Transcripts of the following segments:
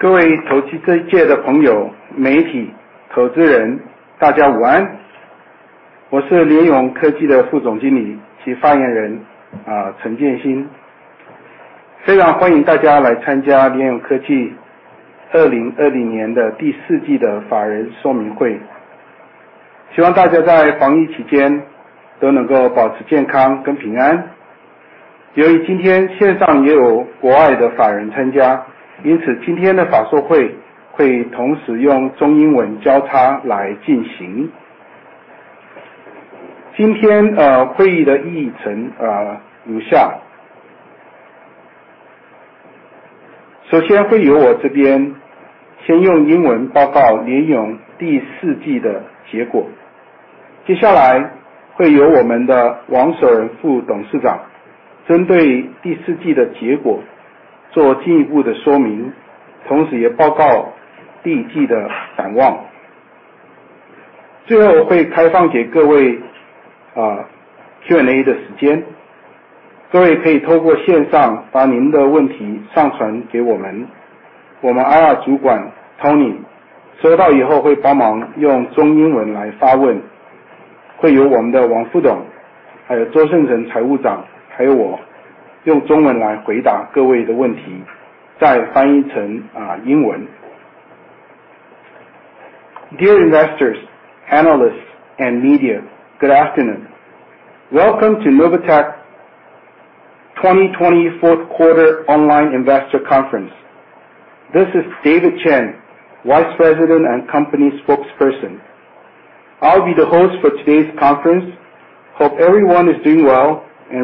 各位投资界的朋友、媒体、投资人，大家午安。我是联咏科技的副总经理及发言人陈建兴，非常欢迎大家来参加联咏科技2020年第四季的法人说明会。希望大家在防疫期间都能够保持健康跟平安。由于今天线上也有国外的法人参加，因此今天的法说会会同时用中英文交叉来进行。今天会议的议程如下：首先会由我这边先用英文报告联咏第四季的结果。接下来会由我们的王守仁副董事长针对第四季的结果做进一步的说明，同时也报告第一季的展望。最后会开放给各位Q&A的时间，各位可以透过线上把您的问题上传给我们，我们IR主管Tony收到以后会帮忙用中英文来发问。会由我们的王副董，还有周胜成财务长，还有我用中文来回答各位的问题，再翻译成英文。Dear investors, analysts, and media, good afternoon. Welcome to Novatek 2020 Fourth Quarter Online Investor Conference. This is David Chen, Vice President and Company Spokesperson. I'll be the host for today's conference. Hope everyone is doing well and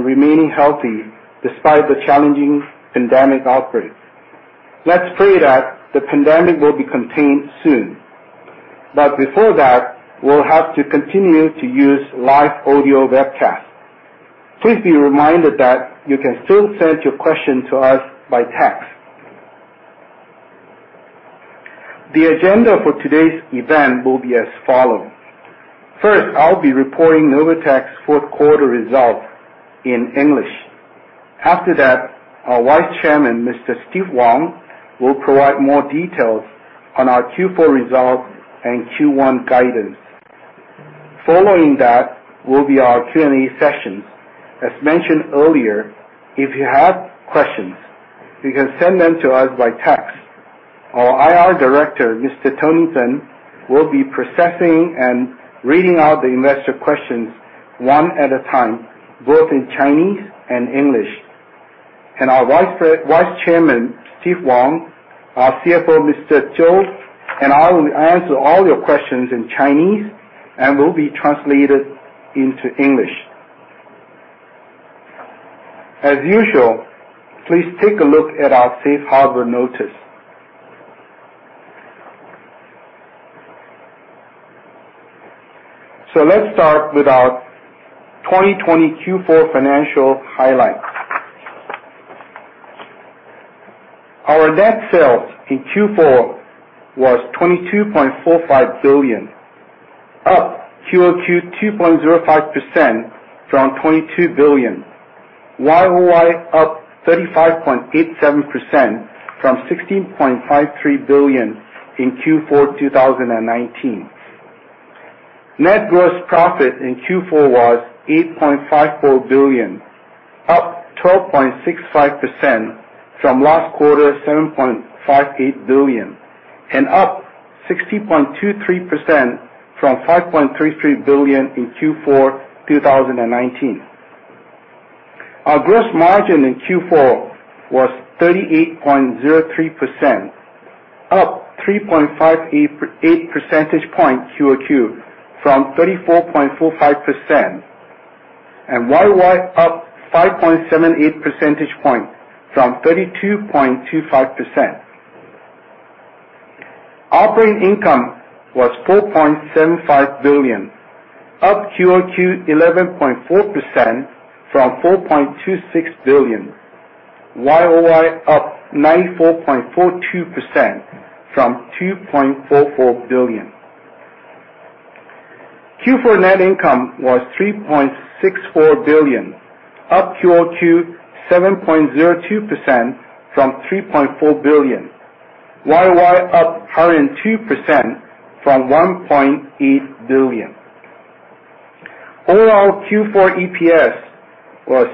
remaining healthy despite the challenging pandemic outbreak. Let's pray that the pandemic will be contained soon. But before that, we'll have to continue to use live audio webcast. Please be reminded that you can still send your questions to us by text. The agenda for today's event will be as follows. First, I'll be reporting Novatek's Fourth Quarter results in English. After that, our Vice Chairman, Mr. Steve Wong, will provide more details on our Q4 results and Q1 guidance. Following that will be our Q&A sessions. As mentioned earlier, if you have questions, you can send them to us by text. Our IR Director, Mr. Tony Tseng, will be processing and reading out the investor questions one at a time, both in Chinese and English. Our Vice Chairman, Steve Wong, our CFO, Mr. Chou, and I will answer all your questions in Chinese and will be translated into English. As usual, please take a look at our safe harbor notice. Let's start with our 2020 Q4 financial highlights. Our net sales in Q4 was $22.45 billion, up quarter-over-quarter 2.05% from $22 billion. Year-over-year up 35.87% from $16.53 billion in Q4 2019. Net gross profit in Q4 was $8.54 billion, up 12.65% from last quarter $7.58 billion, and up 60.23% from $5.33 billion in Q4 2019. Our gross margin in Q4 was 38.03%, up 3.58 percentage points quarter-over-quarter from 34.45%, and year-over-year up 5.78 percentage points from 32.25%. Operating income was $4.75 billion, up quarter-over-quarter 11.4% from $4.26 billion. Year-over-year up 94.42% from $2.44 billion. Q4 net income was $3.64 billion, up quarter-over-quarter 7.02% from $3.4 billion. Year-over-year up 102% from $1.8 billion. Overall Q4 EPS was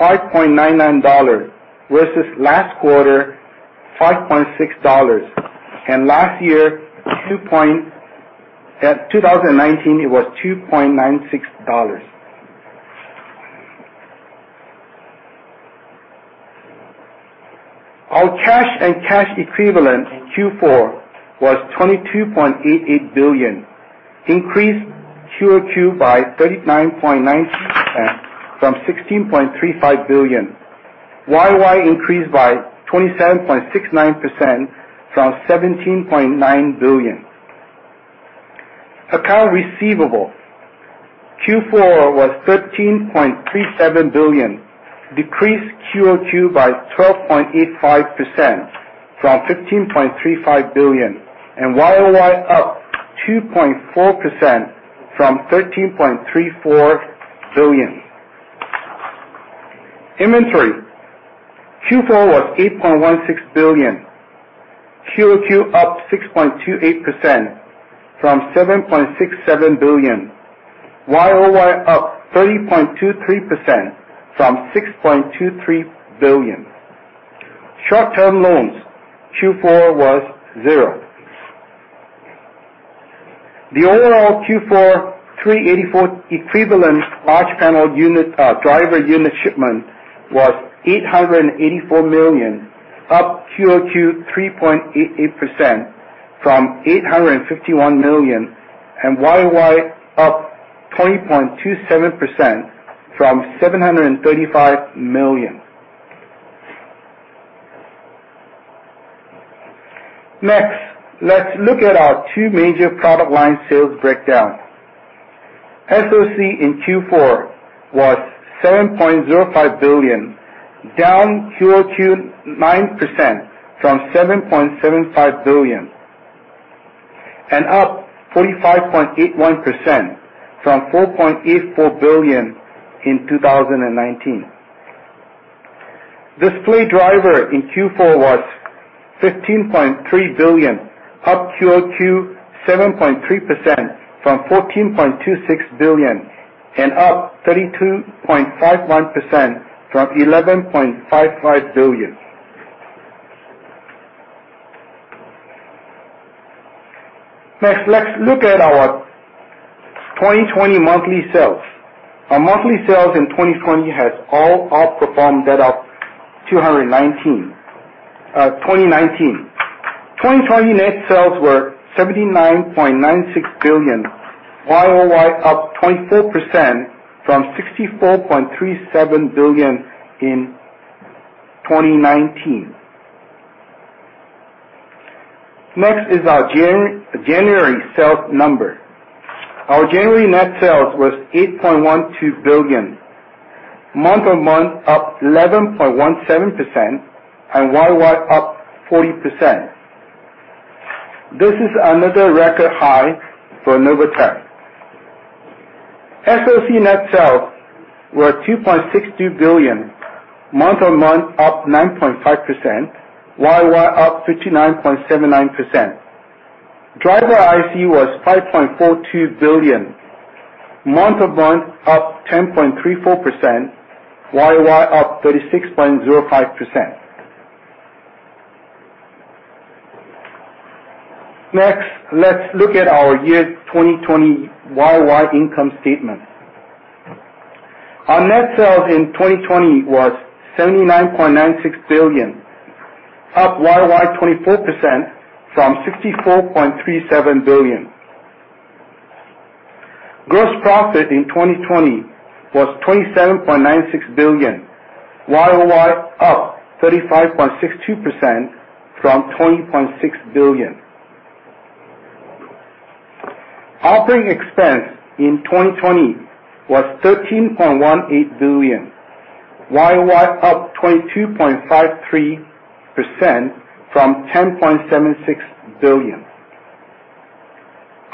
$5.99 versus last quarter $5.6, and last year 2019 it was $2.96. Our cash and cash equivalent in Q4 was $22.88 billion, increased quarter-over-quarter by 39.92% from $16.35 billion. Year-over-year increased by 27.69% from $17.9 billion. Account receivable Q4 was $13.37 billion, decreased quarter-over-quarter by 12.85% from $15.35 billion, and year-over-year up 2.4% from $13.34 billion. Inventory Q4 was $8.16 billion. Quarter-over-quarter up 6.28% from $7.67 billion. Year-over-year up 30.23% from $6.23 billion. Short-term loans Q4 was zero. The overall Q4 384 equivalent large panel driver unit shipment was 884 million, up quarter-over-quarter 3.88% from 851 million, and year-over-year up 20.27% from 735 million. Next, let's look at our two major product line sales breakdown. SOC in Q4 was $7.05 billion, down quarter-over-quarter 9% from $7.75 billion, and up 45.81% from $4.84 billion in 2019. Display driver in Q4 was $15.3 billion, up quarter-over-quarter 7.3% from $14.26 billion, and up 32.51% from $11.55 billion. Next, let's look at our 2020 monthly sales. Our monthly sales in 2020 has all outperformed that of 2019. 2020 net sales were $79.96 billion. Year-over-year up 24% from $64.37 billion in 2019. Next is our January sales number. Our January net sales was $8.12 billion. Month on month up 11.17% and year-over-year up 40%. This is another record high for Novatek. SOC net sales were $2.62 billion. Month on month up 9.5%. Year-over-year up 59.79%. Driver IC was $5.42 billion. Month on month up 10.34%. Year-over-year up 36.05%. Next, let's look at our year 2020 year-over-year income statement. Our net sales in 2020 was $79.96 billion, up year-over-year 24% from $64.37 billion. Gross profit in 2020 was $27.96 billion. Year-over-year up 35.62% from $20.6 billion. Operating expense in 2020 was $13.18 billion. Year-over-year up 22.53% from $10.76 billion.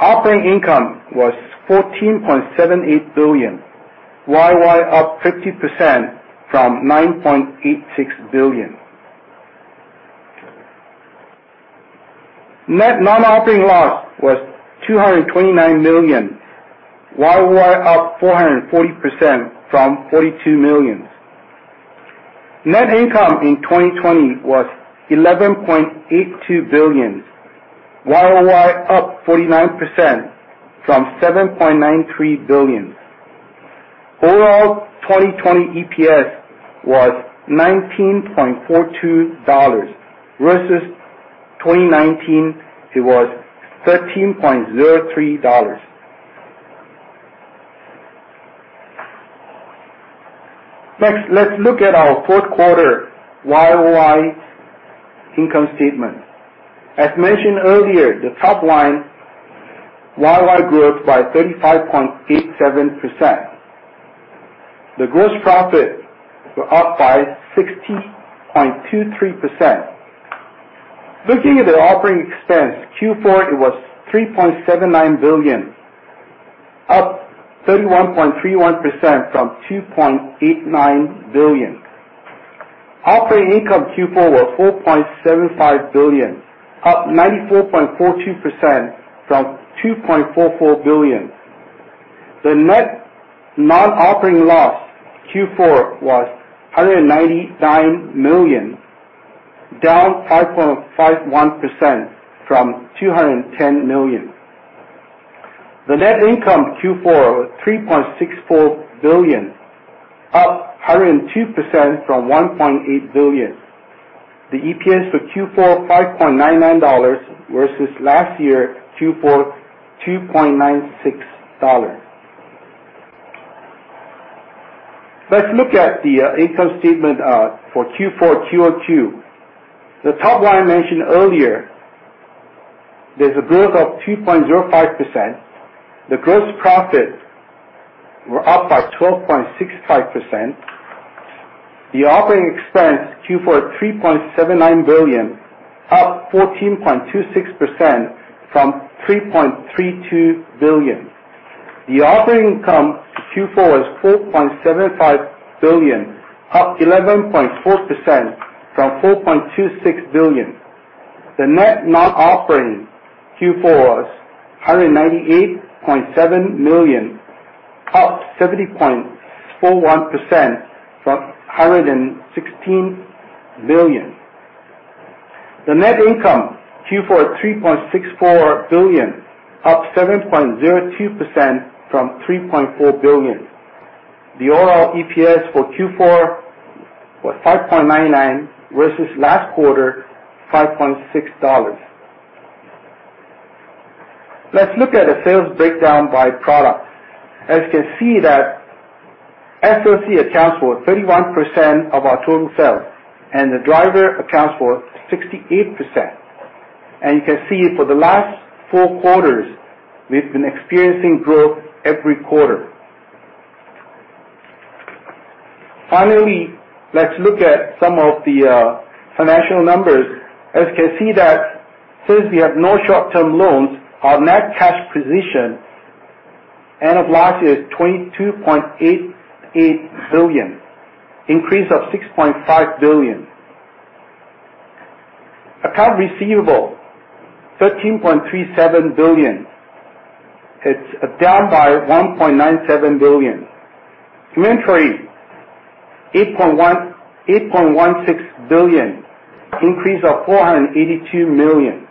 Operating income was $14.78 billion. Year-over-year up 50% from $9.86 billion. Net non-operating loss was $229 million. Year-over-year up 440% from $42 million. Net income in 2020 was $11.82 billion. Year-over-year up 49% from $7.93 billion. Overall 2020 EPS was $19.42 versus 2019 it was $13.03. Next, let's look at our fourth quarter year-over-year income statement. As mentioned earlier, the top line year-over-year growth by 35.87%. The gross profit was up by 60.23%. Looking at the operating expense, Q4 it was $3.79 billion, up 31.31% from $2.89 billion. Operating income Q4 was $4.75 billion, up 94.42% from $2.44 billion. The net non-operating loss Q4 was $199 million, down 5.51% from $210 million. The net income Q4 was $3.64 billion, up 102% from $1.8 billion. The EPS for Q4 was $5.99 versus last year Q4 $2.96. Let's look at the income statement for Q4 quarter-over-quarter. The top line I mentioned earlier, there's a growth of 2.05%. The gross profit was up by 12.65%. The operating expense Q4 was $3.79 billion, up 14.26% from $3.32 billion. The operating income Q4 was $4.75 billion, up 11.4% from $4.26 billion. The net non-operating Q4 was $198.7 million, up 70.41% from $116 million. The net income Q4 was $3.64 billion, up 7.02% from $3.4 billion. The overall EPS for Q4 was $5.99 versus last quarter $5.6. Let's look at the sales breakdown by product. As you can see, SOC accounts for 31% of our total sales, and the driver accounts for 68%. You can see for the last four quarters, we've been experiencing growth every quarter. Finally, let's look at some of the financial numbers. As you can see, since we have no short-term loans, our net cash position end of last year is $22.88 billion, increased of $6.5 billion. Account receivable is $13.37 billion. It's down by $1.97 billion. Inventory is $8.16 billion, increased of $482 million.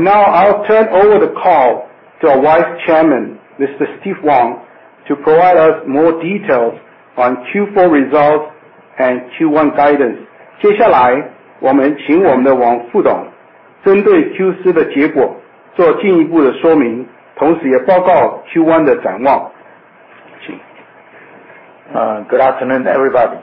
Now I'll turn over the call to our Vice Chairman, Mr. Steve Wong, to provide us more details on Q4 results and Q1 guidance. 接下来，我们请我们的王副董针对Q4的结果做进一步的说明，同时也报告Q1的展望。Good afternoon, everybody.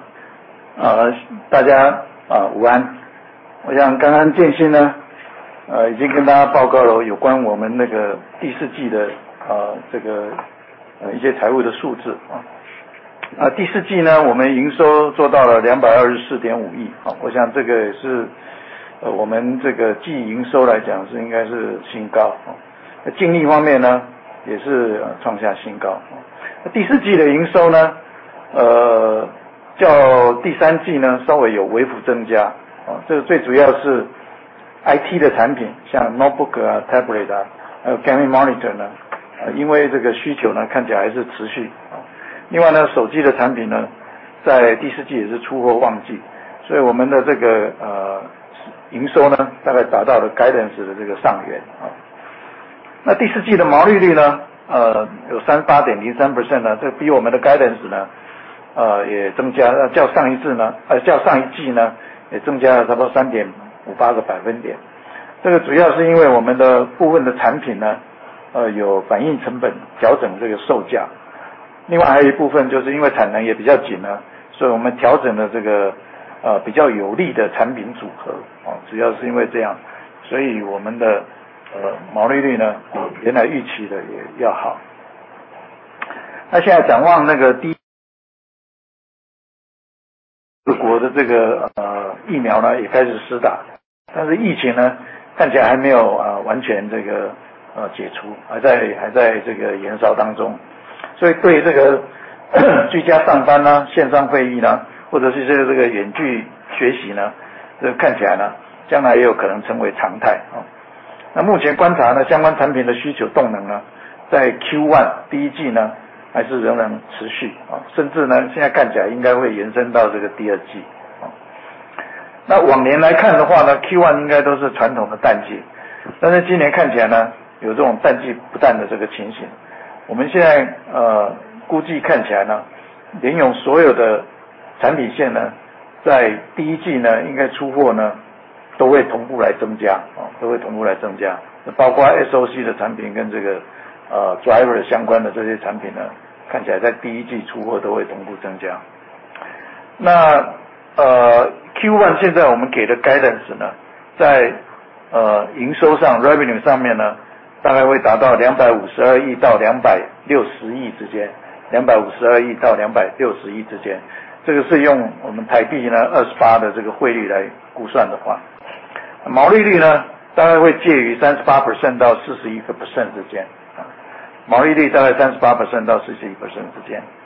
大家午安。我想剛剛建新已經跟大家報告了有關我們那個第四季的這個一些財務的數字。第四季呢，我們營收做到了NT$224.5億。我想這個也是我們這個季營收來講是應該是新高。淨利方面呢，也是創下新高。第四季的營收呢，較第三季呢稍微有微幅增加。這個最主要是IT的產品，像Notebook、Tablet，還有Gaming 那Q1現在我們給的Guidance呢在營收上Revenue上面呢大概會達到NT$252億到NT$260億之間，NT$252億到NT$260億之間，這個是用我們台幣28的這個匯率來估算的話。毛利率呢大概會介於38%到41%之間，毛利率大概38%到41%之間。那盈利率呢大概會介於22%到25%之間。這裡頭來看的話呢，如果以第一季的營收呢看起來SOC的產品的成長率呢應該會比這個Driver的這個成長率來得大。這個最主要是因為SOC的產品的這個Wafer跟那個封測呢現在目前看起來產能比較緊，lead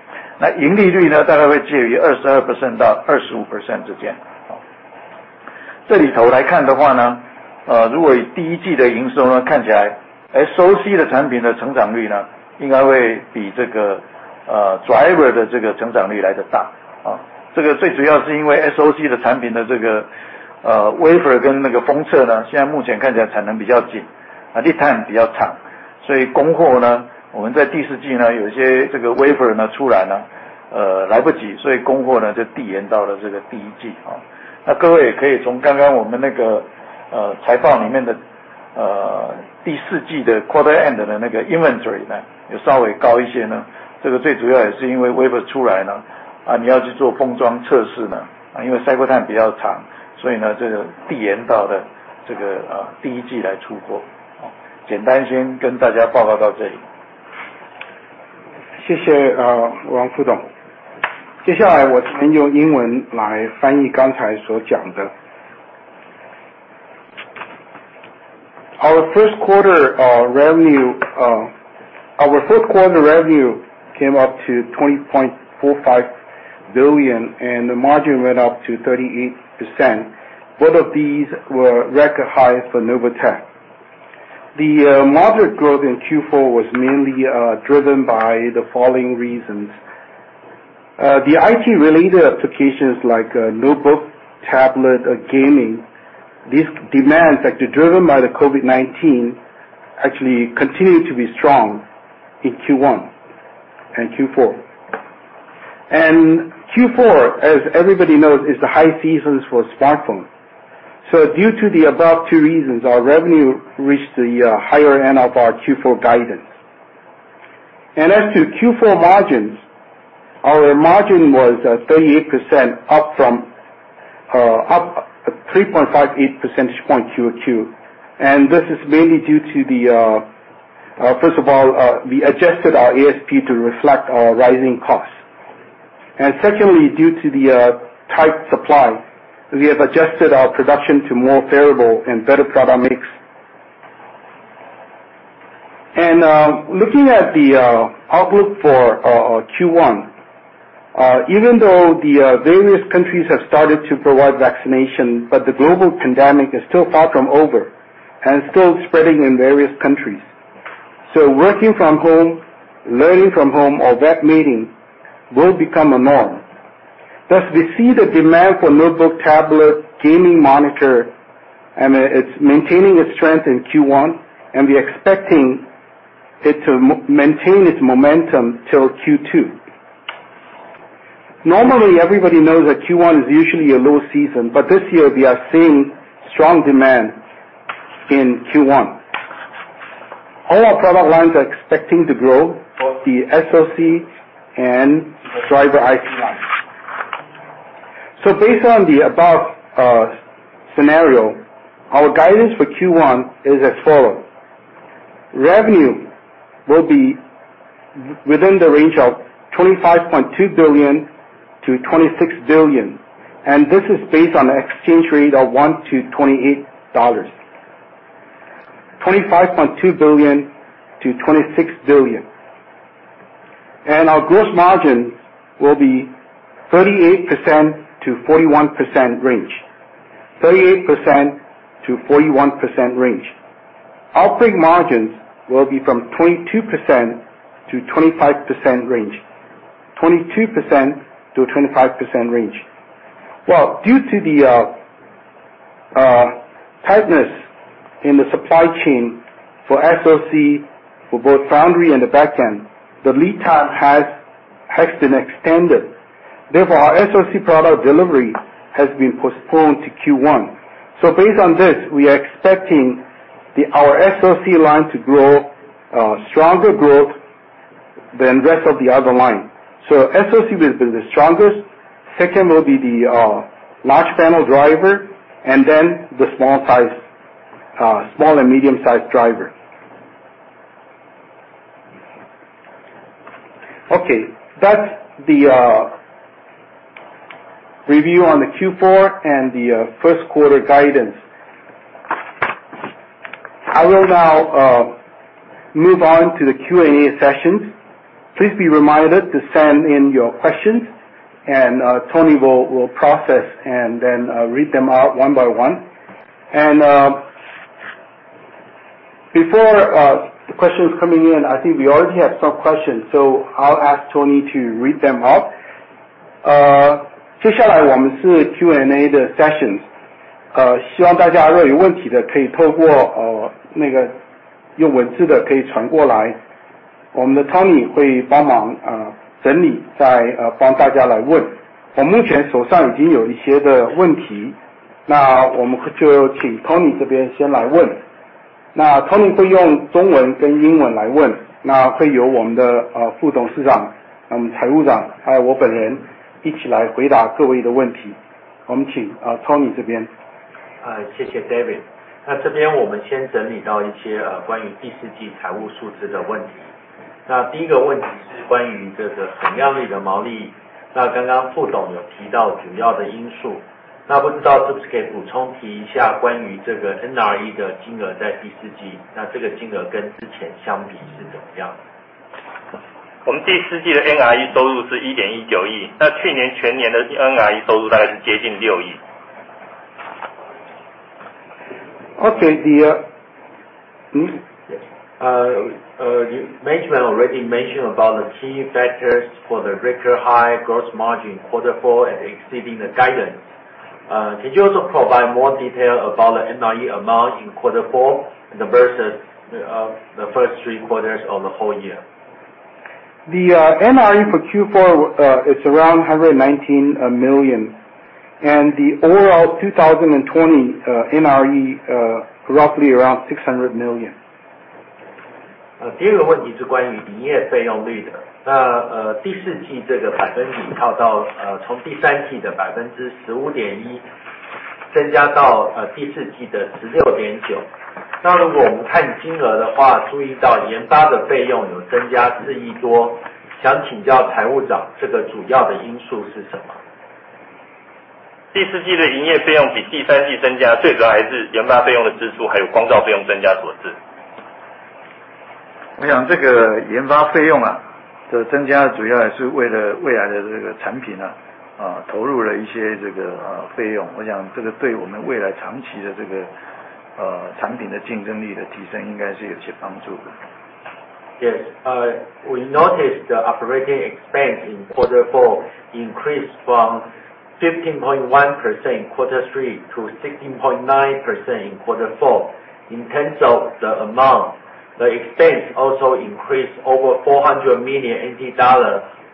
End的那個Inventory呢有稍微高一些呢，這個最主要也是因為Wafer出來呢你要去做封裝測試呢，因為Cycle Time比較長，所以呢這個遞延到了這個第一季來出貨。簡單先跟大家報告到這裡。謝謝王副董。接下來我們用英文來翻譯剛才所講的。Our first quarter revenue came up to $20.45 billion and the margin went up to 38%. Both of these were record high for Novatek. The moderate growth in Q4 was mainly driven by the following reasons: the IT-related applications like Notebook, Tablet, Gaming—these demands actually driven by the COVID-19 actually continue to be strong in Q1 and Q4. Q4, as everybody knows, is the high season for smartphones. Due to the above two reasons, our revenue reached the higher end of our Q4 guidance. As to Q4 margins, our margin was 38% up from 3.58 percentage points year to year. This is mainly due to the, first of all, we adjusted our ASP to reflect our rising costs. Secondly, due to the tight supply, we have adjusted our production to more favorable and better product mix. Looking at the outlook for Q1, even though the various countries have started to provide vaccination, but the global pandemic is still far from over and still spreading in various countries. Working from home, learning from home, or web meeting will become a norm. Thus, we see the demand for Notebook, Tablet, Gaming Monitor, and it's maintaining its strength in Q1, and we're expecting it to maintain its momentum till Q2. Normally, everybody knows that Q1 is usually a low season, but this year we are seeing strong demand in Q1. All our product lines are expecting to grow, both the SOC and Driver IT lines. Based on the above scenario, our guidance for Q1 is as follows: revenue will be within the range of $25.2 billion to $26 billion, and this is based on an exchange rate of 1 to 28 dollars, $25.2 billion to $26 billion. Our gross margin will be 38% to 41% range, 38% to 41% range. Operating margins will be from 22% to 25% range, 22% to 25% range. Due to the tightness in the supply chain for SOC for both foundry and the backend, the lead time has been extended. Therefore, our SOC product delivery has been postponed to Q1. Based on this, we are expecting our SOC line to grow stronger growth than the rest of the other line. SOC will be the strongest, second will be the large panel driver, and then the small size, small and medium size driver. That's the review on the Q4 and the first quarter guidance. I will now move on to the Q&A sessions. Please be reminded to send in your questions, and Tony will process and then read them out one by one. Before the questions coming in, I think we already have some questions, so I'll ask Tony to read them out. 接下來我們是Q&A的sessions，希望大家如果有問題的可以透過那個用文字的可以傳過來，我們的Tony會幫忙整理再幫大家來問。我目前手上已經有一些的問題，那我們就請Tony這邊先來問。那Tony會用中文跟英文來問，那會由我們的副董事長、我們財務長，還有我本人一起來回答各位的問題。我們請Tony這邊。谢谢David。那这边我们先整理到一些关于第四季财务数字的问题。那第一个问题是关于这个总量率的毛利，那刚刚副董有提到主要的因素。那不知道是不是可以补充提一下关于这个NRE的金额在第四季，那这个金额跟之前相比是怎么样。我们第四季的NRE收入是¥1.19亿，那去年全年的NRE收入大概是接近¥6亿。Okay, the management already mentioned about the key factors for the record high gross margin in Q4 and exceeding the guidance. Can you also provide more detail about the NRE amount in Q4 versus the first three quarters of the whole year? The NRE for Q4 is around $119 million, and the overall 2020 NRE roughly around $600 million. Yes, we noticed the operating expense in Q4 increased from 15.1% in Q3 to 16.9% in Q4. In terms of the amount, the expense also increased over NT$400 million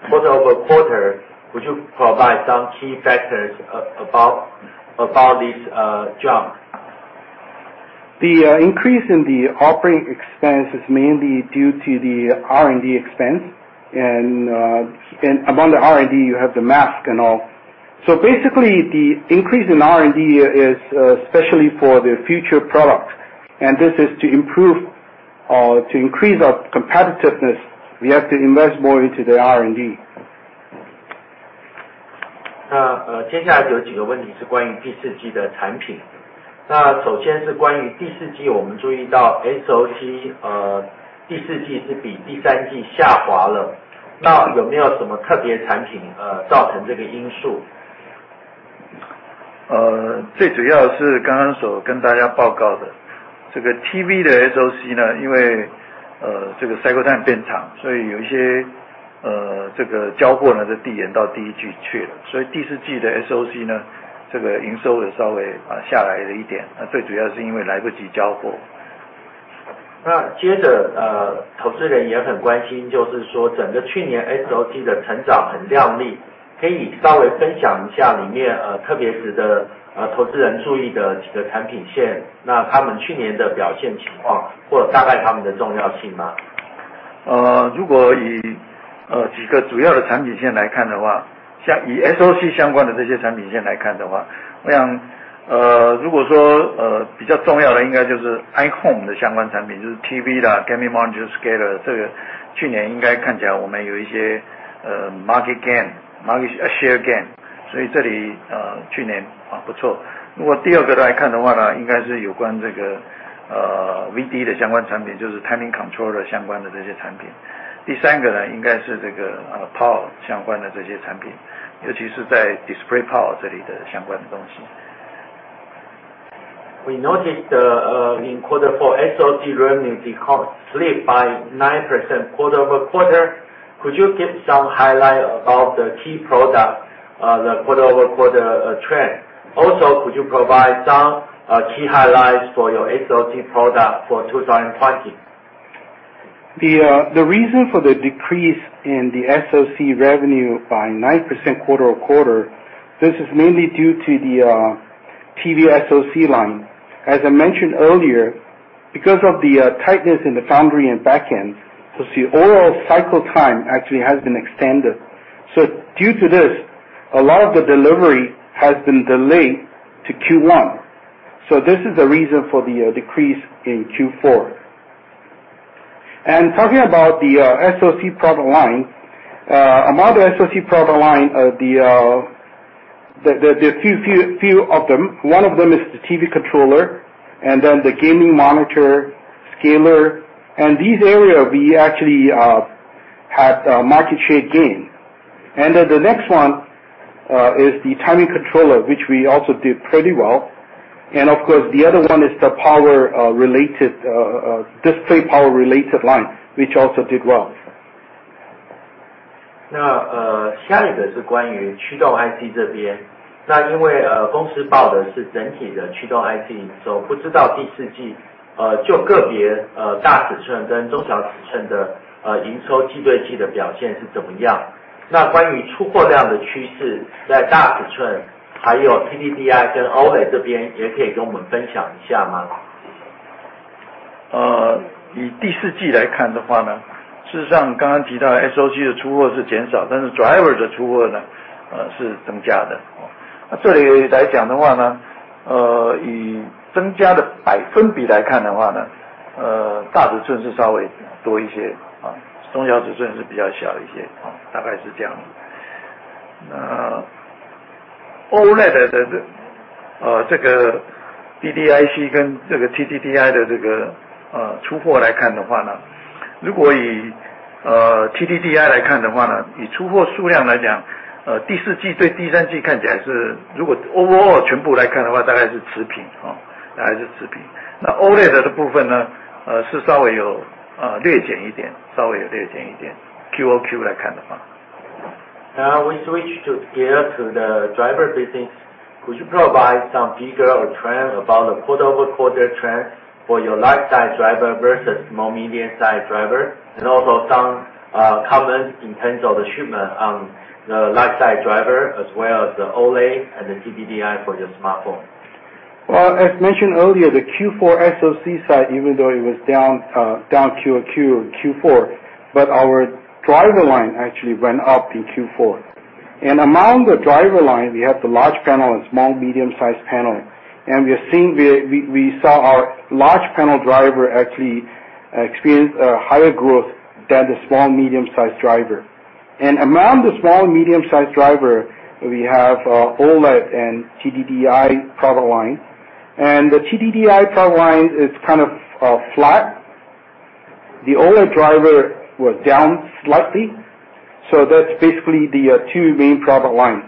quarter over quarter. Could you provide some key factors about this jump? The increase in the operating expense is mainly due to the R&D expense, and among the R&D you have the mask and all. So basically the increase in R&D is especially for the future product, and this is to improve, to increase our competitiveness. We have to invest more into the R&D. 那接著投資人也很關心就是說整個去年SOC的成長很亮麗，可以稍微分享一下裡面特別值得投資人注意的幾個產品線，那他們去年的表現情況或大概他們的重要性嗎？如果以幾個主要的產品線來看的話，像以SOC相關的這些產品線來看的話，我想如果說比較重要的應該就是iPhone的相關產品，就是TV啦，Gaming Monitor，Scaler，這個去年應該看起來我們有一些market gain，market share gain，所以這裡去年不錯。如果第二個來看的話呢，應該是有關這個VD的相關產品，就是Timing Controller相關的這些產品。第三個呢應該是這個power相關的這些產品，尤其是在display power這裡的相關的東西。We noticed the in Q4 SOC revenue declined slightly by 9% quarter over quarter. Could you give some highlights about the key product quarter over quarter trend? Also, could you provide some key highlights for your SOC product for 2020? The reason for the decrease in the SOC revenue by 9% quarter over quarter, this is mainly due to the TV SOC line. As I mentioned earlier, because of the tightness in the foundry and backend, so the overall cycle time actually has been extended. Due to this, a lot of the delivery has been delayed to Q1. This is the reason for the decrease in Q4. Talking about the SOC product line, among the SOC product line, there are a few of them. One of them is the TV controller, and then the gaming monitor, scaler, and these areas we actually had market share gain. The next one is the timing controller, which we also did pretty well. Of course, the other one is the power related, display power related line, which also did well. 那下一個是關於驅動IC這邊，那因為公司報的是整體的驅動IC營收，不知道第四季就個別大尺寸跟中小尺寸的營收季對季的表現是怎麼樣。那關於出貨量的趨勢，在大尺寸還有TDDI跟OLED這邊也可以跟我們分享一下嗎？ Now we switch to gear to the driver business. Could you provide some bigger trends about the quarter over quarter trend for your lifestyle driver versus more medium size driver? And also some comments in terms of the shipment on the lifestyle driver as well as the OLED and the TDDI for your smartphone? Well, as mentioned earlier, the Q4 SOC side, even though it was down QOQ or Q4, but our driver line actually went up in Q4. And among the driver line, we have the large panel and small medium size panel, and we are seeing, we saw our large panel driver actually experience a higher growth than the small medium size driver. And among the small medium size driver, we have OLED and TDDI product line, and the TDDI product line is kind of flat. The OLED driver was down slightly, so that's basically the two main product lines.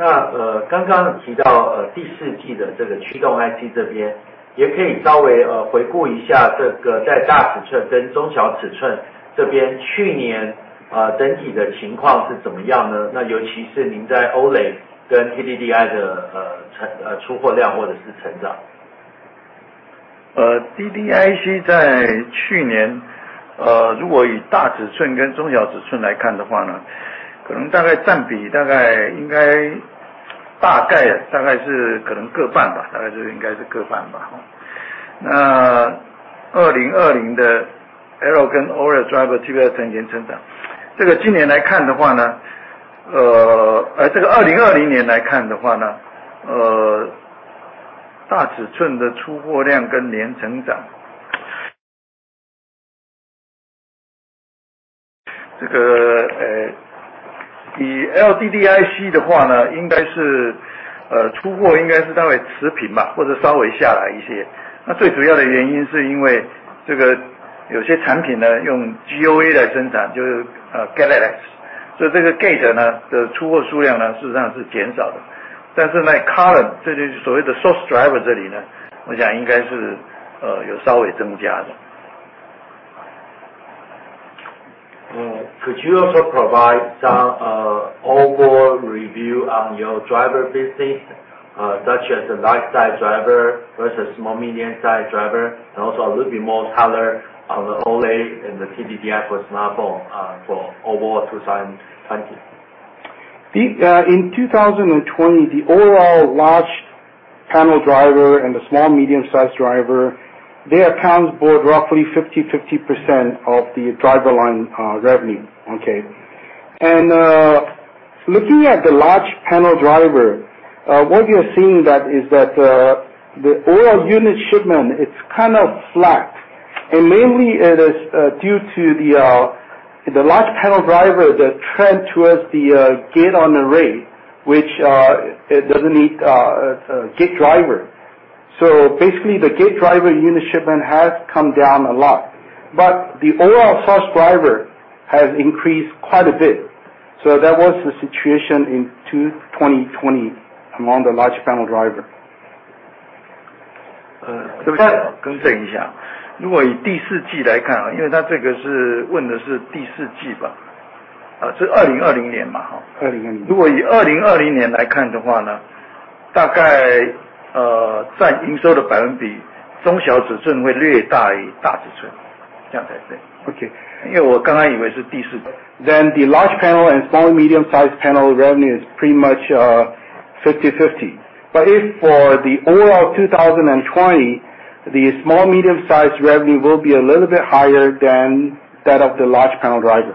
那剛剛提到第四季的這個驅動IC這邊，也可以稍微回顧一下這個在大尺寸跟中小尺寸這邊去年整體的情況是怎麼樣呢？那尤其是您在OLED跟TDDI的出貨量或者是成長。Driver这里，我想应该是有稍微增加的。Could you also provide some overall review on your driver business, such as the lifestyle driver versus small medium size driver, and also a little bit more color on the OLED and the TDDI for smartphone for overall 2020? In 2020, the overall large panel driver and the small medium size driver, they account for roughly 50-50% of the driver line revenue, okay? Looking at the large panel driver, what we are seeing is that the overall unit shipment, it's kind of flat, and mainly it is due to the large panel driver, the trend towards the gate on array, which it doesn't need a gate driver. So basically the gate driver unit shipment has come down a lot, but the overall source driver has increased quite a bit. So that was the situation in 2020 among the large panel driver. 可不可以更正一下？如果以第四季来看，因为他这个是问的是第四季吧，这是2020年嘛，2020年。如果以2020年来看的话呢，大概占营收的百分比，中小尺寸会略大于大尺寸，这样才对。OK，因为我刚刚以为是第四季。Then the large panel and small medium size panel revenue is pretty much 50-50, but if for the overall 2020, the small medium size revenue will be a little bit higher than that of the large panel driver.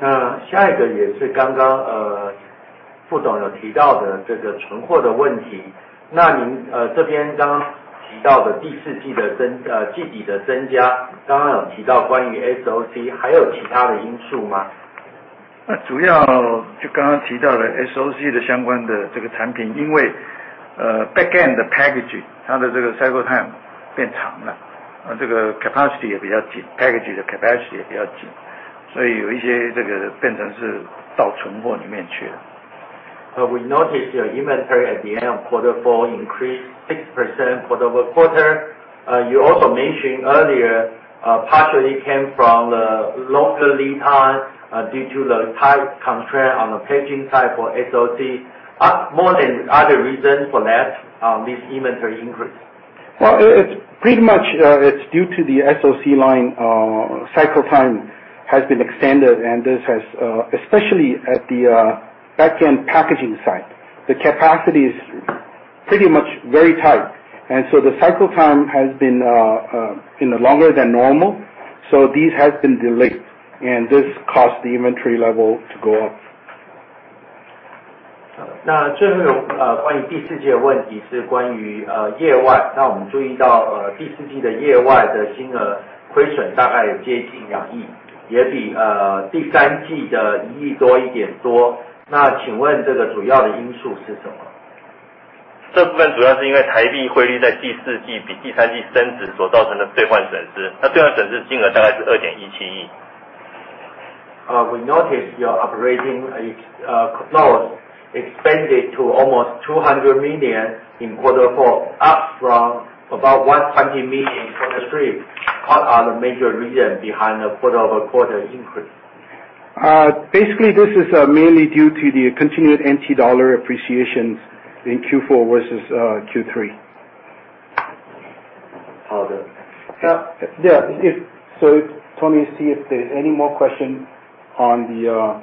那下一個也是剛剛副董有提到的這個存貨的問題，那您這邊剛剛提到的第四季的季底的增加，剛剛有提到關於SOC還有其他的因素嗎？那主要就剛剛提到的SOC的相關的這個產品，因為backend的packaging他的這個cycle time變長了，這個capacity也比較緊，packaging的capacity也比較緊，所以有一些這個變成是到存貨裡面去了。We noticed your inventory at the end of Q4 increased 6% quarter over quarter. You also mentioned earlier partially came from the longer lead time due to the tight constraint on the packaging side for SOC. Are there other reasons for this inventory increase? Well, it's pretty much due to the SOC line cycle time has been extended, and this has especially at the backend packaging side. The capacity is pretty much very tight, and so the cycle time has been longer than normal, so these have been delayed, and this caused the inventory level to go up. 那最后一个关于第四季的问题是关于业外，那我们注意到第四季的业外的金额亏损大概接近2亿，也比第三季的1亿多一点多。那请问这个主要的因素是什么？这部分主要是因为台币汇率在第四季比第三季升值所造成的兑换损失，那兑换损失金额大概是2.17亿。We noticed your operating loss expanded to almost $200 million in Q4, up from about $120 million in Q3. What are the major reasons behind the quarter over quarter increase? Basically this is mainly due to the continued NT dollar appreciations in Q4 versus Q3. 好的，那所以Tony是有any more questions on the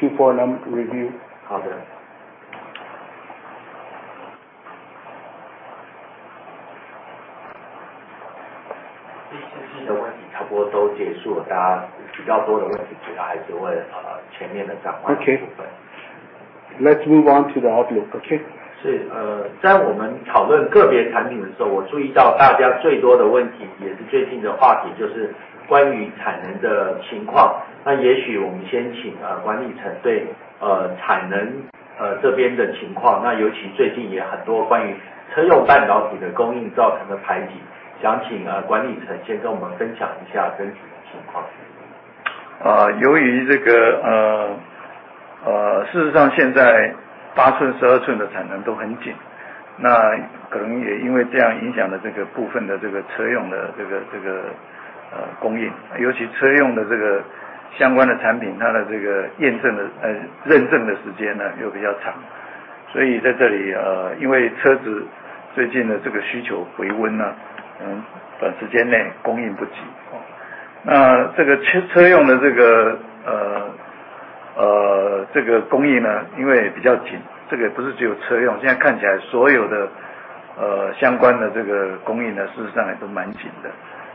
Q4 review？好的。第四季的問題差不多都結束了，大家比較多的問題主要還是問前面的展望的部分。Let's move on to the outlook, okay?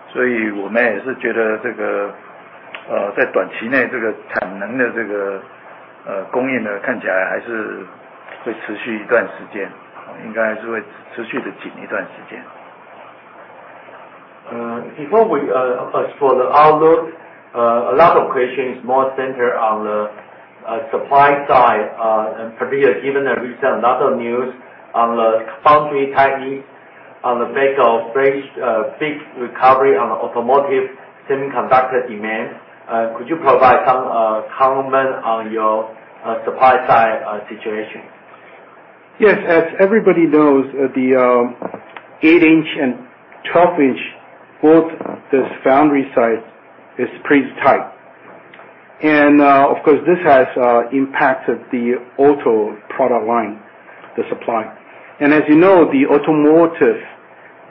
Before we ask for the outlook, a lot of questions is more centered on the supply side, and particularly given that we saw a lot of news on the foundry techniques on the back of big recovery on the automotive semiconductor demand. Could you provide some comment on your supply side situation? Yes, as everybody knows, the 8-inch and 12-inch both this foundry side is pretty tight, and of course this has impacted the auto product line, the supply. As you know, the automotive,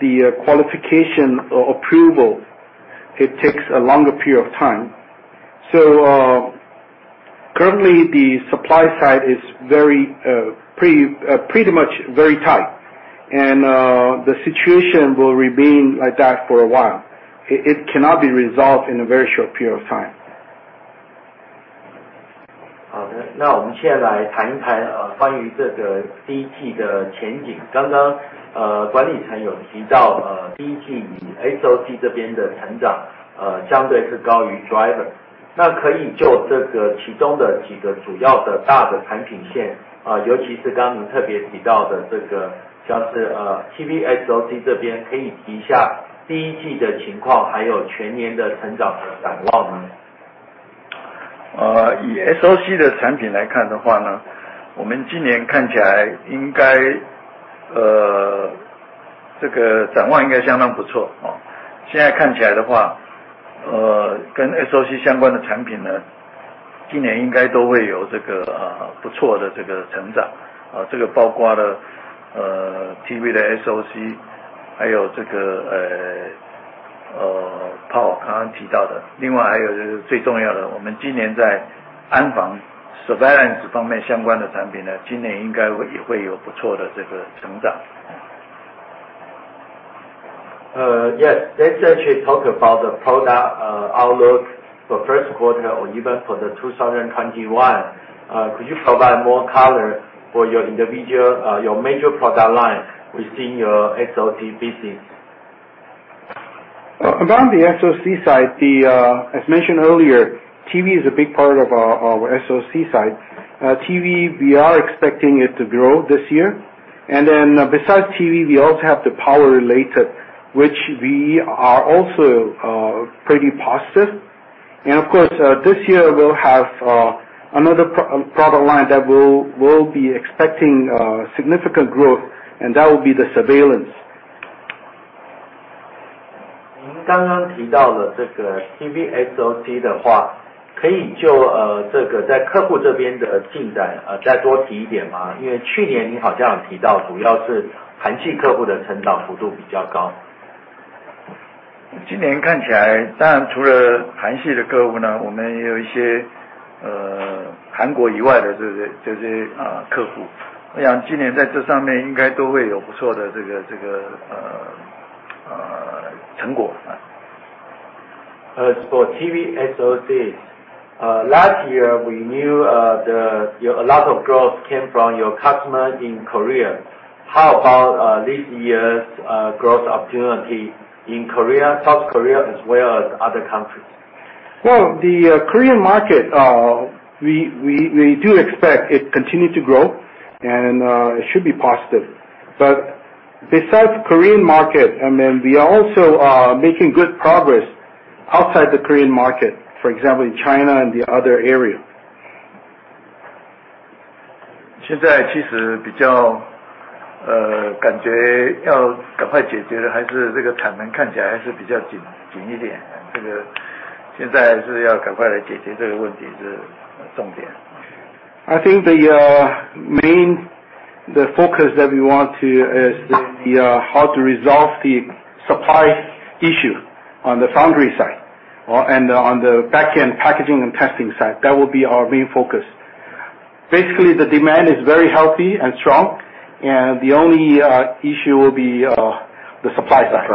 the qualification approval, it takes a longer period of time. So currently the supply side is pretty much very tight, and the situation will remain like that for a while. It cannot be resolved in a very short period of time. 以SOC的产品来看的话呢，我们今年看起来应该这个展望应该相当不错。现在看起来的话，跟SOC相关的产品呢，今年应该都会有这个不错的这个成长，这个包括了TDDI、SOC，还有这个Power刚刚提到的。另外还有就是最重要的，我们今年在安防Surveillance方面相关的产品呢，今年应该也会有不错的这个成长。Yes, let's actually talk about the product outlook for first quarter or even for 2021. Could you provide more color for your major product line within your SOC business? Around the SOC side, as mentioned earlier, TV is a big part of our SOC side. TV, we are expecting it to grow this year, and then besides TV, we also have the power related, which we are also pretty positive. Of course, this year we'll have another product line that we'll be expecting significant growth, and that will be the surveillance. For TDDI, SOC, last year we knew a lot of growth came from your customers in Korea. How about this year's growth opportunity in Korea, South Korea, as well as other countries? Well, the Korean market, we do expect it continues to grow, and it should be positive. But besides the Korean market, I mean, we are also making good progress outside the Korean market, for example, in China and the other area. 现在其实比较感觉要赶快解决的还是这个产能看起来还是比较紧一点，这个现在还是要赶快来解决这个问题是重点。I think the main focus that we want is how to resolve the supply issue on the foundry side and on the backend packaging and testing side. That will be our main focus. Basically, the demand is very healthy and strong, and the only issue will be the supply side.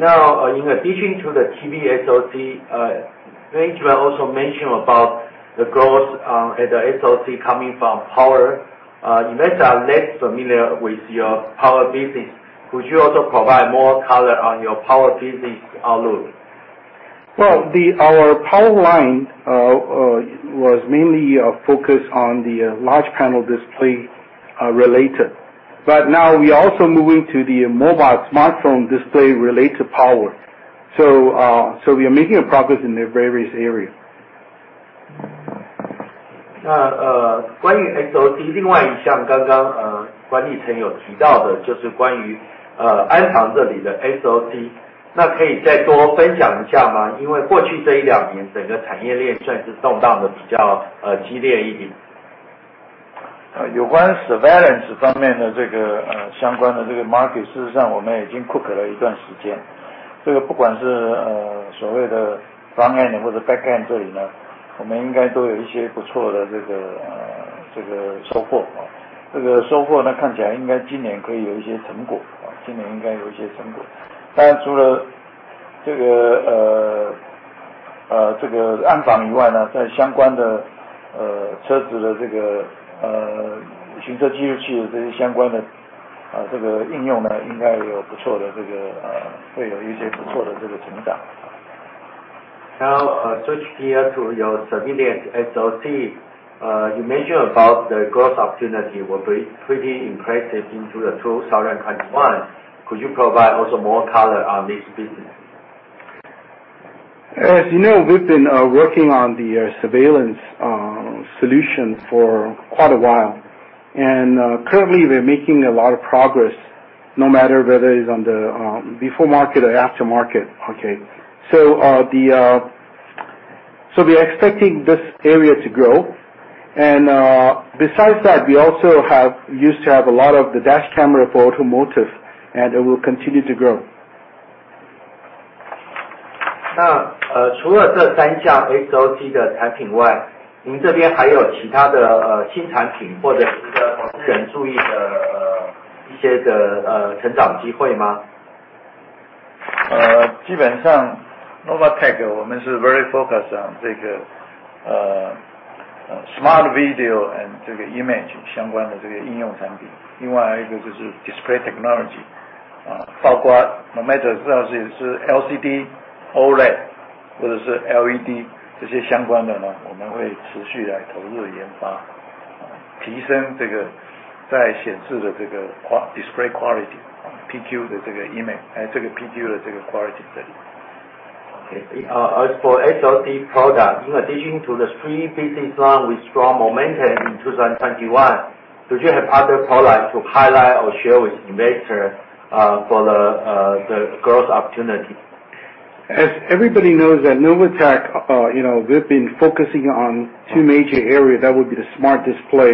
Now, in addition to the TDDI, SOC, management also mentioned about the growth at the SOC coming from Power. You guys are less familiar with your power business. Could you also provide more color on your power business outlook? Well, our power line was mainly focused on the large panel display related, but now we are also moving to the mobile smartphone display related power. So we are making progress in the various areas. end或是backend这里呢，我们应该都有一些不错的这个收获，这个收获呢看起来应该今年可以有一些成果，今年应该有一些成果。那除了这个安防以外呢，在相关的车子的这个行车记录器的这些相关的这个应用呢，应该也有不错的这个会有一些不错的这个成长。Now, switch gear to your surveillance SOC. You mentioned about the growth opportunity will be pretty impressive into 2021. Could you provide also more color on this business? As you know, we've been working on the surveillance solution for quite a while, and currently we're making a lot of progress no matter whether it's on the before market or after market. So we are expecting this area to grow, and besides that, we also used to have a lot of the dash camera for automotive, and it will continue to grow. 那除了这三項 SOC 的產品外，您這邊還有其他的新產品或者是投資人注意的一些成長機會嗎？基本上 Novatek 我們是 very focus on 這個 smart video and image 相關的這個應用產品，另外還有一個就是 display technology，包括 no matter 是 LCD、OLED 或者是 LED 這些相關的呢，我們會持續來投入研發，提升這個在顯示的這個 display quality PQ 的這個 image 這個 PQ 的這個 quality 這裡。As for SOC product, you know digital industry business line with strong momentum in 2021. Do you have other products to highlight or share with investors for the growth opportunity? As everybody knows that Novatek, you know we've been focusing on two major areas that would be the smart display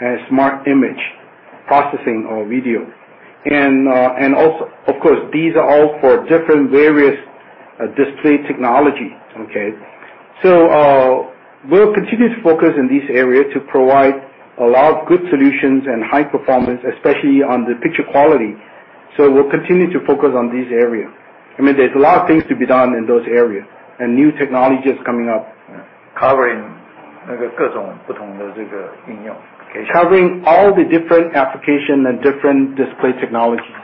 and smart image processing or video, and also of course these are all for different various display technology, okay? So we'll continue to focus in these areas to provide a lot of good solutions and high performance, especially on the picture quality. So we'll continue to focus on these areas. I mean there's a lot of things to be done in those areas, and new technology is coming up. 那个各种不同的这个应用。Covering all the different applications and different display technologies.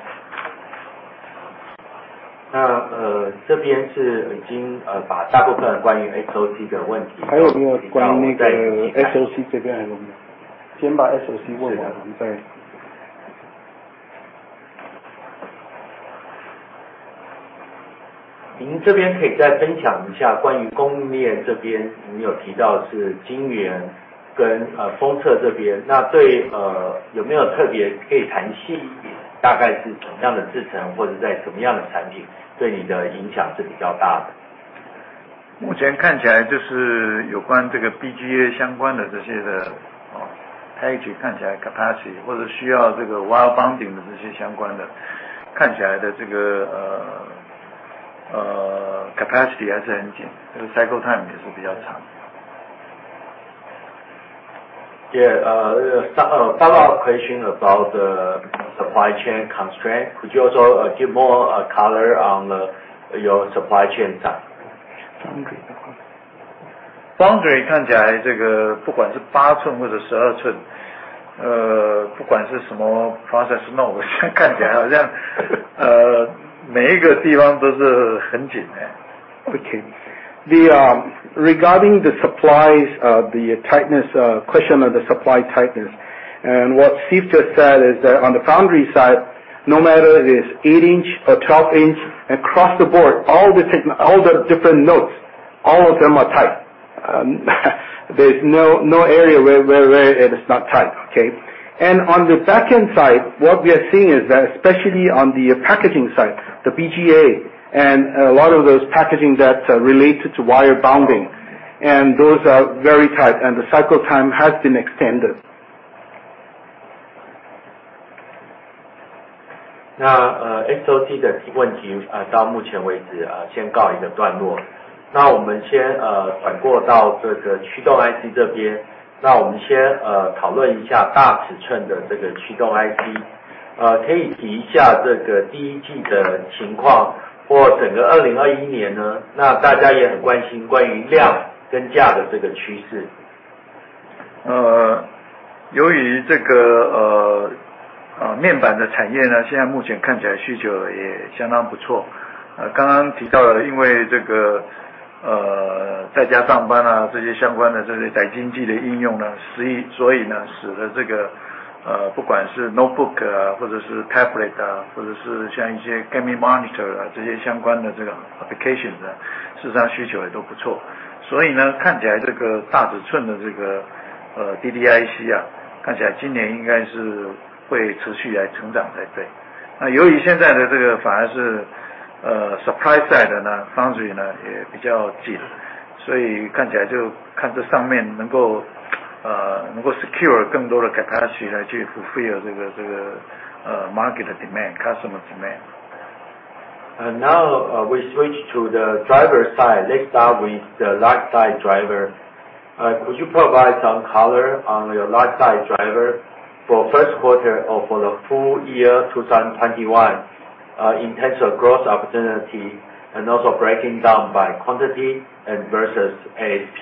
time也是比较长。Yeah, about question about the supply chain constraint, could you also give more color on your supply chain side? Foundry看起来这个不管是8寸或者12寸，不管是什么process node，看起来好像每一个地方都是很紧。Okay, regarding the supplies, the tightness question of the supply tightness, and what Steve just said is that on the foundry side, no matter if it's 8-inch or 12-inch, across the board, all the different nodes, all of them are tight. There's no area where it is not tight, okay? And on the backend side, what we are seeing is that especially on the packaging side, the BGA and a lot of those packaging that relate to wire bonding, and those are very tight, and the cycle time has been extended. side呢，foundry呢也比较紧，所以看起来就看这上面能够secure更多的capacity来去fulfill这个market demand、customer demand。Now we switch to the driver side, next up with the life cycle driver. Could you provide some color on your life cycle driver for first quarter or for the full year 2021 in terms of growth opportunity and also breaking down by quantity and versus ASP?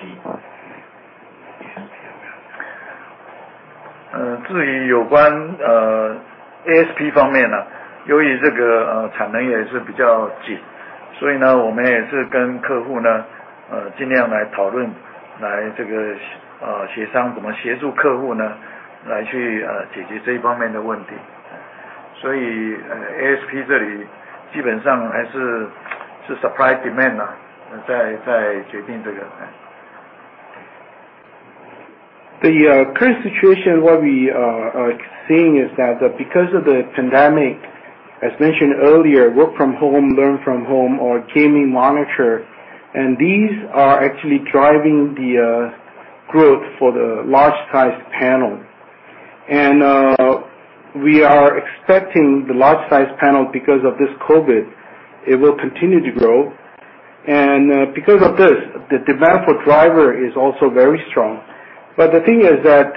至于有关ASP方面呢，由于这个产能也是比较紧，所以呢我们也是跟客户呢尽量来讨论，来这个协商怎么协助客户呢，来去解决这一方面的问题。所以ASP这里基本上还是是supply demand呢在决定这个。The current situation what we are seeing is that because of the pandemic, as mentioned earlier, work from home, learn from home, or gaming monitor, and these are actually driving the growth for the large size panel. We are expecting the large size panel because of this COVID, it will continue to grow, and because of this, the demand for driver is also very strong. But the thing is that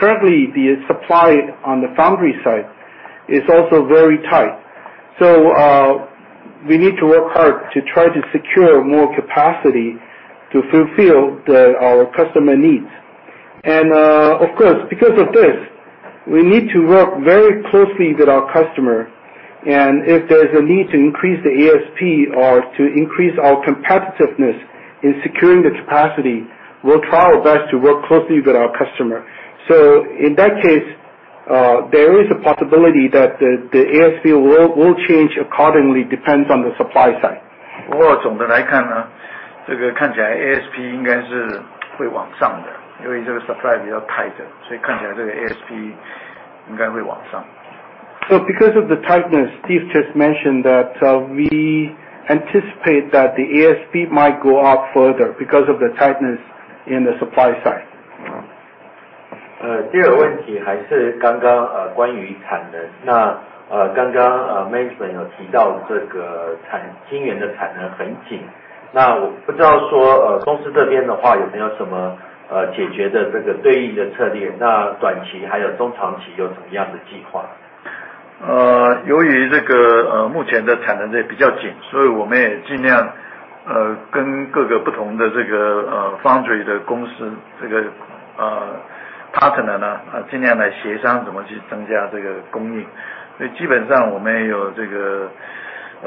currently the supply on the foundry side is also very tight, so we need to work hard to try to secure more capacity to fulfill our customer needs. Of course because of this, we need to work very closely with our customer, and if there's a need to increase the ASP or to increase our competitiveness in securing the capacity, we'll try our best to work closely with our customer. So in that case, there is a possibility that the ASP will change accordingly, depends on the supply side.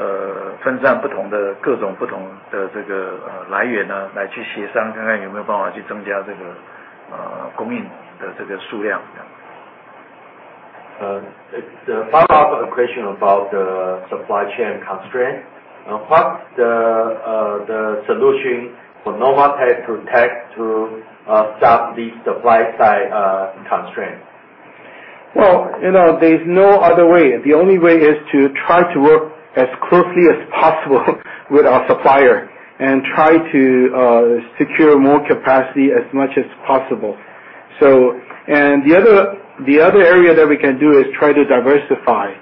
So because of the tightness, Steve just mentioned that we anticipate that the ASP might go up further because of the tightness in the supply side. 第二个问题还是刚刚关于产能，那刚刚management有提到这个晶圆的产能很紧，那我不知道说公司这边的话有没有什么解决的这个对应的策略，那短期还有中长期有什么样的计划。由于这个目前的产能这里比较紧，所以我们也尽量跟各个不同的这个foundry的公司，这个partner呢尽量来协商怎么去增加这个供应。所以基本上我们有这个分散不同的各种不同的这个来源呢来去协商看看有没有办法去增加这个供应的这个数量。The follow-up question about the supply chain constraint, what's the solution for Novak Tech to start this supply side constraint? Well, you know there's no other way, the only way is to try to work as closely as possible with our supplier and try to secure more capacity as much as possible. The other area that we can do is try to diversify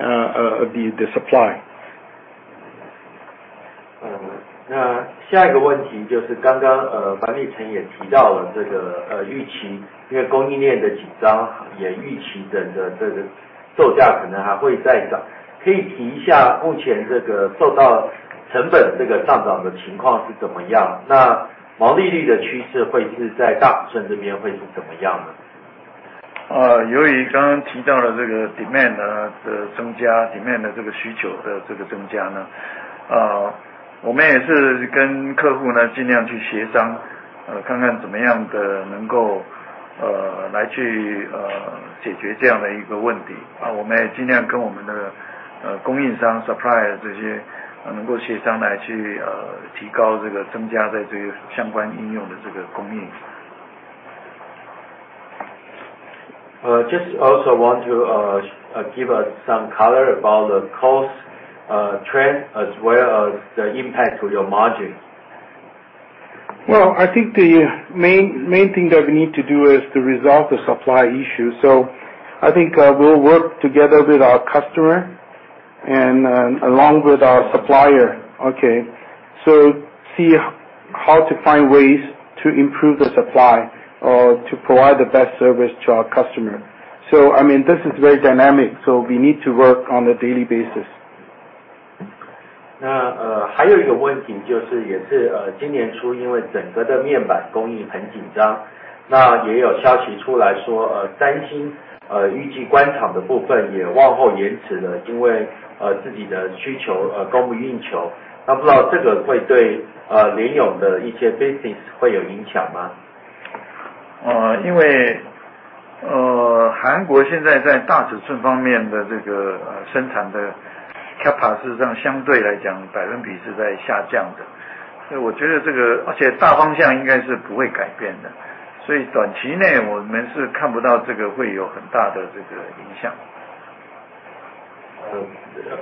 the supply. Just also want to give us some color about the cost trend as well as the impact to your margin. Well, I think the main thing that we need to do is to resolve the supply issue, so I think we'll work together with our customer and along with our supplier, okay? So see how to find ways to improve the supply or to provide the best service to our customer. I mean this is very dynamic, so we need to work on a daily basis.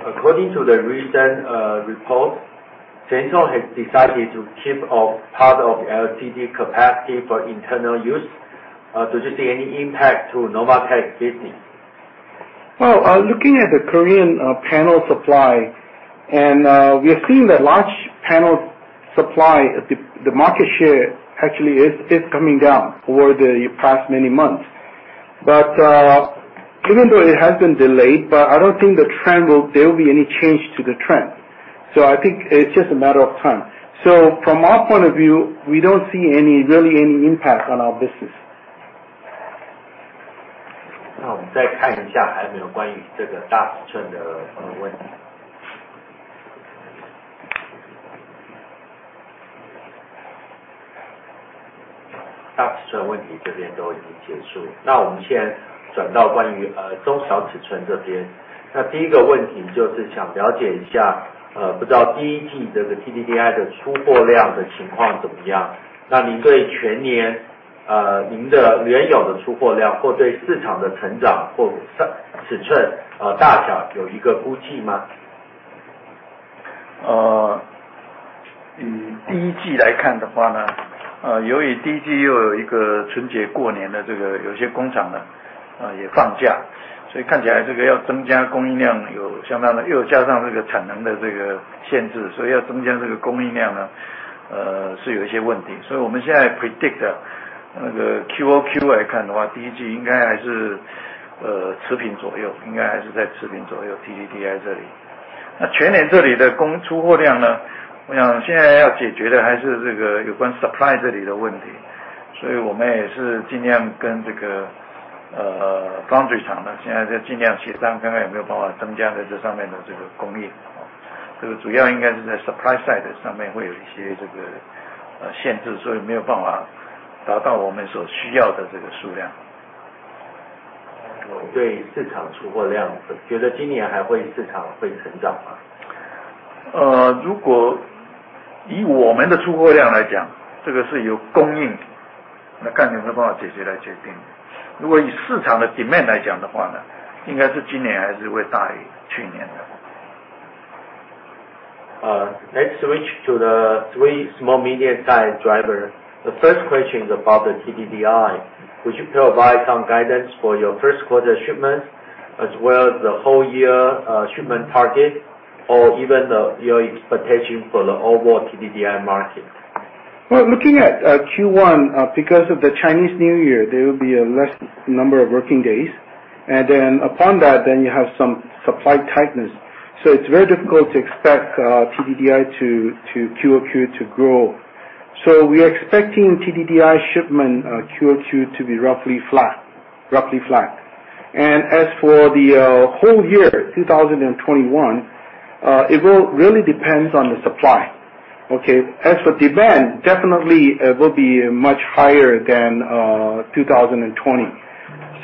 According to the recent report, Centon has decided to keep off part of LCD capacity for internal use. Do you see any impact to Novak Tech business? Well, looking at the Korean panel supply, and we have seen that large panel supply, the market share actually is coming down over the past many months. But even though it has been delayed, but I don't think there will be any change to the trend. I think it's just a matter of time. From our point of view, we don't see really any impact on our business. 再看一下还有没有关于这个大尺寸的问题。大尺寸问题这边都已经结束，那我们现在转到关于中小尺寸这边。第一个问题就是想了解一下，不知道第一季这个TDDI的出货量的情况怎么样。您对全年您的联咏的出货量或对市场的成长或尺寸大小有一个估计吗？ Let's switch to the three small medium size driver. The first question is about the TDDI. Would you provide some guidance for your first quarter shipments as well as the whole year shipment target or even your expectation for the overall TDDI market? Looking at Q1, because of the Chinese New Year, there will be a less number of working days, and then upon that, you have some supply tightness, so it's very difficult to expect TDDI to QOQ to grow. So we are expecting TDDI shipment QOQ to be roughly flat. As for the whole year 2021, it will really depend on the supply. As for demand, definitely it will be much higher than 2020.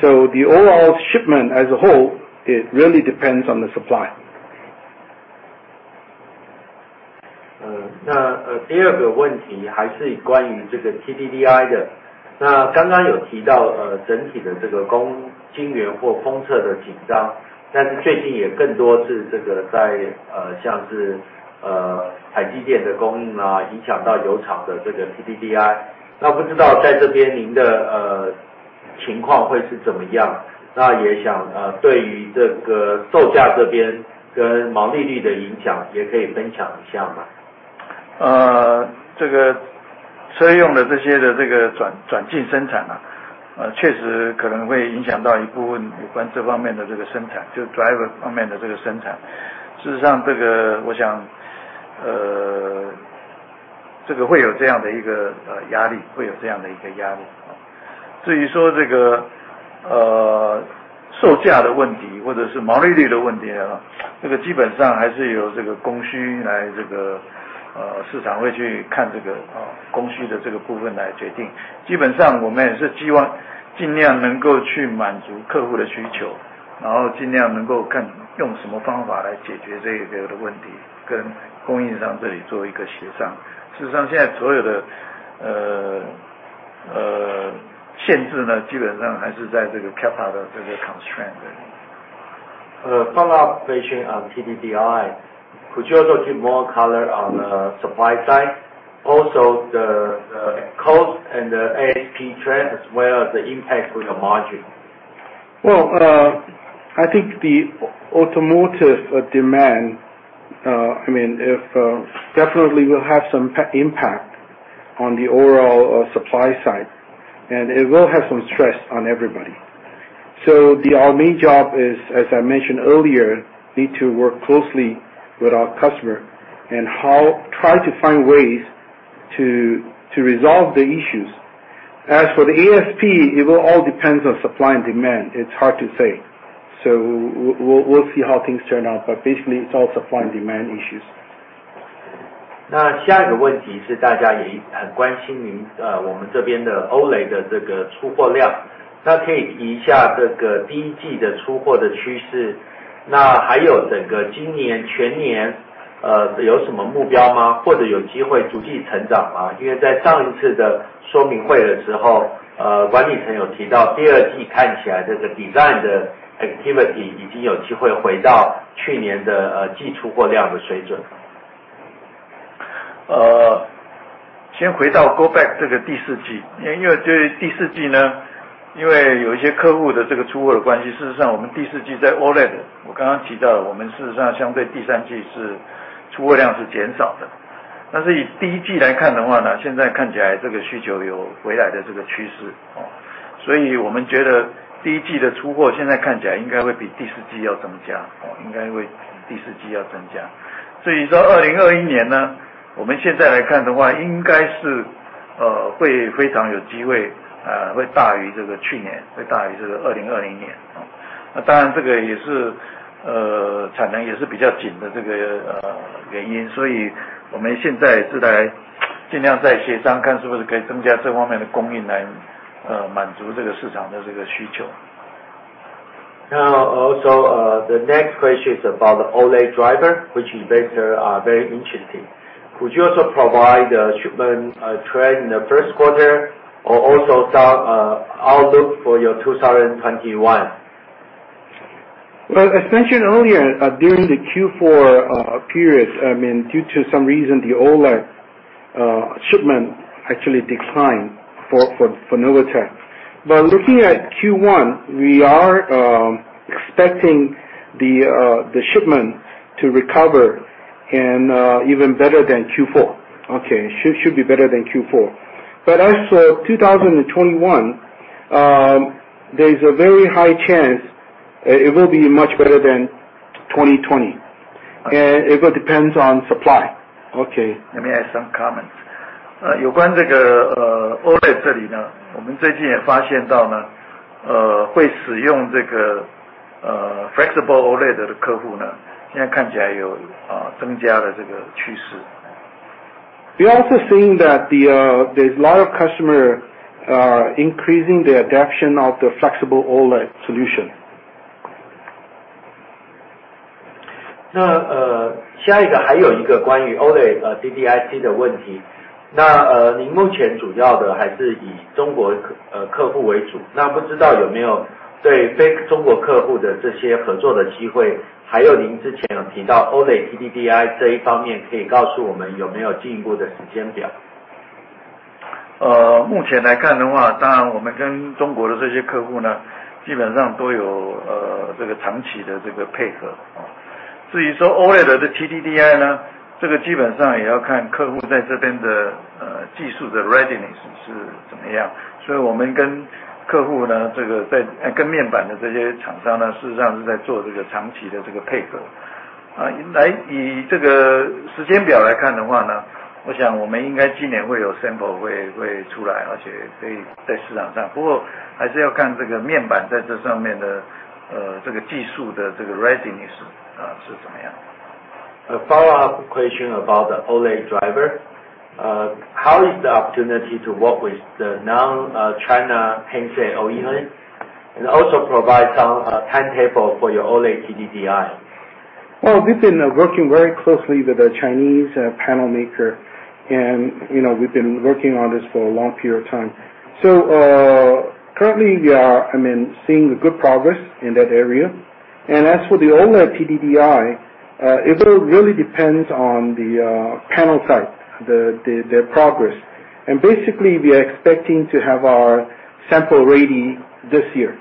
So the overall shipment as a whole, it really depends on the supply. Follow-up question on TDDI. Could you also give more color on the supply side? Also the cost and the ASP trend as well as the impact to your margin. Well, I think the automotive demand, I mean if. Definitely will have some impact on the overall supply side, and it will have some stress on everybody. So our main job is, as I mentioned earlier, need to work closely with our customer and try to find ways to resolve the issues. As for the ASP, it will all depend on supply and demand. It's hard to say. So we'll see how things turn out, but basically it's all supply and demand issues. 那下一個問題是大家也很關心您我們這邊的OLED的這個出貨量，那可以提一下這個第一季的出貨的趨勢，那還有整個今年全年有什麼目標嗎？或者有機會逐季成長嗎？因為在上一次的說明會的時候，管理層有提到第二季看起來這個design的activity已經有機會回到去年的季出貨量的水準。Now also the next question is about the OLED driver, which is based on very interesting. Could you also provide the shipment trend in the first quarter or also some outlook for your 2021? Well, as mentioned earlier during the Q4 period, I mean due to some reason the OLED shipment actually declined for Novatek. But looking at Q1, we are expecting the shipment to recover and even better than Q4, okay? Should be better than Q4. But as for 2021, there's a very high chance it will be much better than 2020, and it will depend on supply, okay? Let me add some comments. 有关这个OLED这里呢，我们最近也发现到呢，会使用这个flexible OLED的客户呢，现在看起来有增加的这个趋势。We are also seeing that there's a lot of customers increasing the adoption of the flexible OLED solution. 那下一个还有一个关于OLED TDDI的问题，那您目前主要的还是以中国客户为主，那不知道有没有对中国客户的这些合作的机会，还有您之前有提到OLED TDDI这一方面可以告诉我们有没有进一步的时间表。目前来看的话，当然我们跟中国的这些客户呢，基本上都有这个长期的这个配合。至于说OLED的TDDI呢，这个基本上也要看客户在这边的技术的readiness是怎么样。所以我们跟客户呢，这个在跟面板的这些厂商呢，事实上是在做这个长期的这个配合。那以这个时间表来看的话呢，我想我们应该今年会有sample会出来，而且可以在市场上，不过还是要看这个面板在这上面的这个技术的这个readiness是怎么样。The follow-up question about the OLED driver. How is the opportunity to work with the non-China handset OEM? And also provide some timetable for your OLED TDDI. Well, we've been working very closely with the Chinese panel maker, and we've been working on this for a long period of time. So currently we are seeing good progress in that area. And as for the OLED TDDI, it will really depend on the panel side, their progress. And basically we are expecting to have our sample ready this year.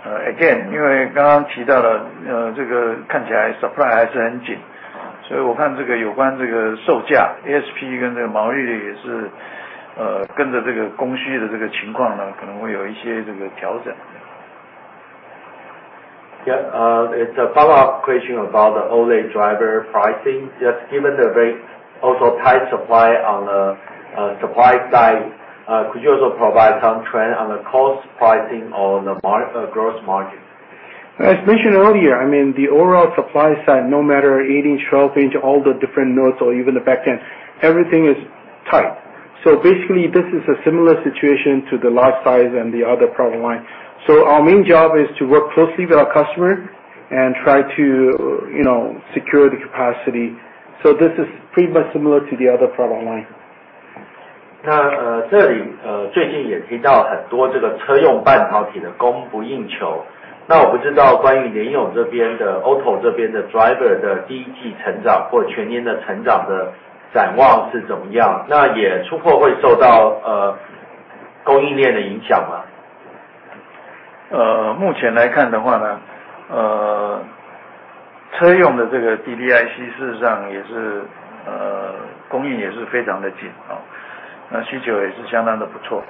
那关于这个还有一个关于OLED的这个问题，刚刚管理层也提到了供应似乎也是很紧张。那不知道对成本售价或者毛利率的影响会是怎么样呢？Again，因为刚刚提到了这个看起来supply还是很紧，所以我看这个有关这个售价ASP跟这个毛利率也是跟着这个供需的这个情况呢，可能会有一些这个调整。The follow-up question about the OLED driver pricing. Just given the also tight supply on the supply side, could you also provide some trend on the cost pricing on the gross margin? As mentioned earlier, I mean the overall supply side, no matter 18, 12 inch, all the different nodes or even the back end, everything is tight. So basically this is a similar situation to the large size and the other product line. So our main job is to work closely with our customer and try to secure the capacity. So this is pretty much similar to the other product line. 那最近也提到很多這個車用半導體的供不應求。那我不知道關於聯詠這邊的automotive這邊的driver的第一季成長或全年的成長的展望是怎麼樣？那也出貨會受到供應鏈的影響嗎？ 目前來看的話呢，車用的這個DDIC事實上也是供應也是非常的緊，那需求也是相當的不錯。但是Novatek呢，事實上我們就已經本來就expect今年2021年呢，會比去年要來得好。雖然去年的這個因為這個新冠肺炎有一段時間是demand是下來的，不過我們在過去呢，在這些新的design in呢，事實上已經cook了大概有兩年了。所以這樣的一個成果呢，應該是今年呢，會顯現出來。由於我剛剛所提到的車子的application呢，這個認證的時間呢，都相當的長。所以在這裡來講的話，我們今年應該是會expect會有不錯的這個成長。只是剛剛提到的這個供應的問題呢，還是要希望能夠協商來解決。Now also let's switch to the automotive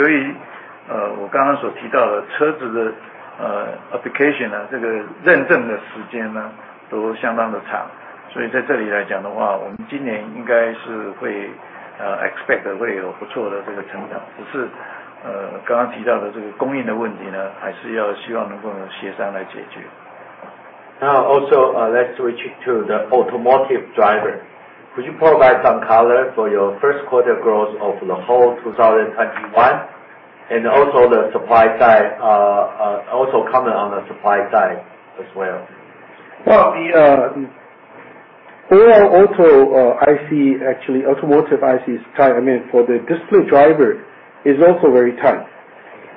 driver. Could you provide some color for your first quarter growth of the whole 2021? And also the supply side, also comment on the supply side as well. Well, the overall auto IC, actually automotive IC is tight. I mean for the display driver is also very tight.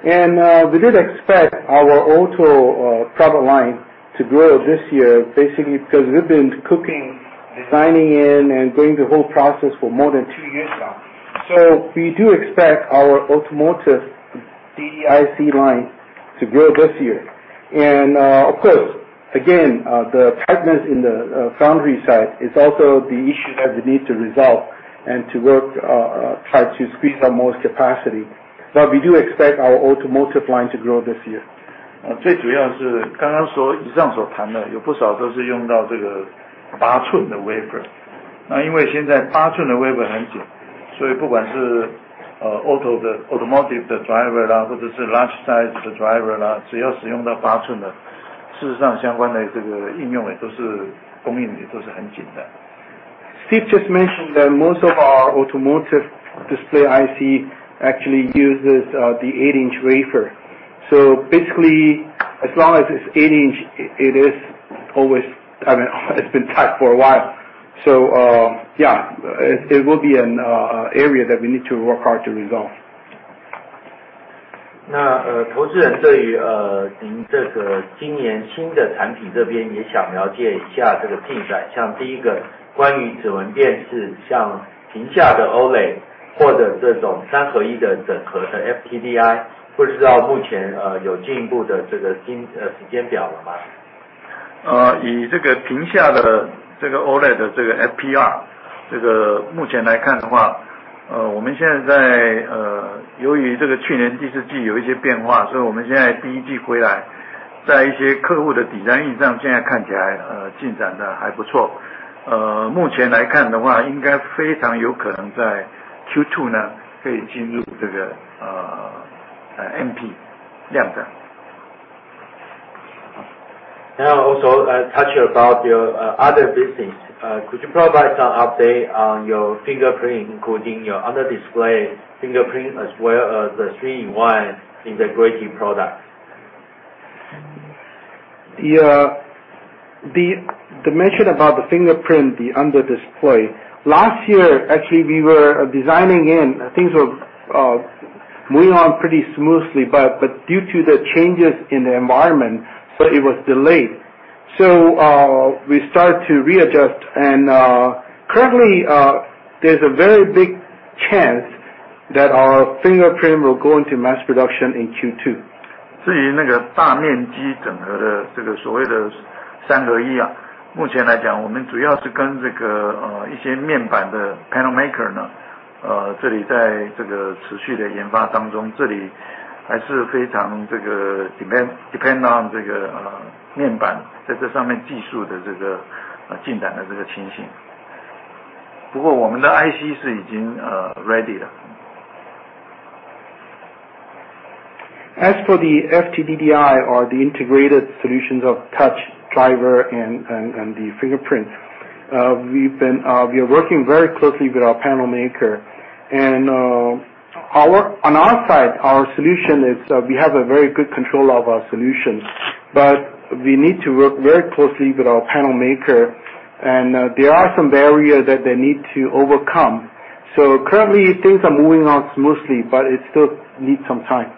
We did expect our OTO product line to grow this year basically because we've been cooking, designing in, and going the whole process for more than two years now. So we do expect our automotive DDIC line to grow this year. And of course, again, the tightness in the foundry side is also the issue that we need to resolve and to work try to squeeze out most capacity. But we do expect our automotive line to grow this year. 最主要是剛剛說以上所談的有不少都是用到這個8吋的wafer。那因為現在8吋的wafer很緊，所以不管是OTO的automotive的driver啦，或者是large size的driver啦，只要使用到8吋的，事實上相關的這個應用也都是供應也都是很緊的。Steve just mentioned that most of our automotive display IC actually uses the 8-inch wafer. So basically as long as it's 8-inch, it is always, I mean, it's been tight for a while. So yeah, it will be an area that we need to work hard to resolve. Now also touch about your other business. Could you provide some update on your fingerprint, including your under display fingerprint as well as the 3-in-1 integrated product? The mention about the fingerprint, the under display, last year actually we were designing in, things were moving on pretty smoothly, but due to the changes in the environment, so it was delayed. So we started to readjust, and currently there's a very big chance that our fingerprint will go into mass production in Q2. 至于那个大面积整合的这个所谓的三合一，目前来讲我们主要是跟这个一些面板的panel maker呢，这里在这个持续的研发当中，这里还是非常这个depend on这个面板在这上面技术的这个进展的这个情形。不过我们的IC是已经ready了。As for the FTDI or the integrated solutions of touch driver and the fingerprint, we are working very closely with our panel maker, and on our side, our solution is we have a very good control of our solution, but we need to work very closely with our panel maker, and there are some barriers that they need to overcome. So currently things are moving on smoothly, but it still needs some time.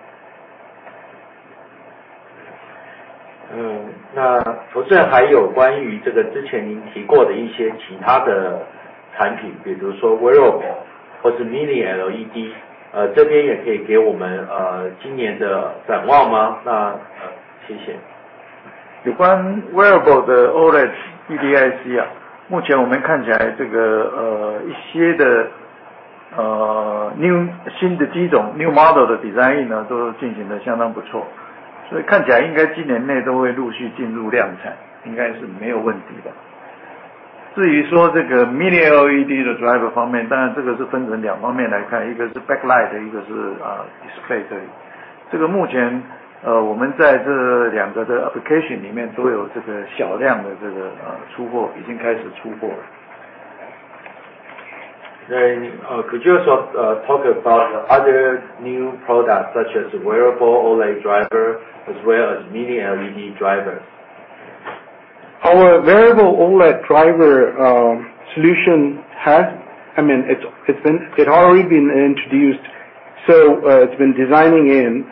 那投资人还有关于这个之前您提过的一些其他的产品，比如说wearable或是mini LED，这边也可以给我们今年的展望吗？谢谢。有关wearable的OLED DDIC，目前我们看起来这个一些的新的机种new model的design in呢，都进行得相当不错。所以看起来应该今年内都会陆续进入量产，应该是没有问题的。至于说这个mini LED的driver方面，当然这个是分成两方面来看，一个是back light，一个是display这里。目前我们在这两个的application里面都有这个小量的出货，已经开始出货了。Could you also talk about the other new products such as wearable OLED driver as well as mini LED driver? Our wearable OLED driver solution has, I mean, it's already been introduced, so it's been designed in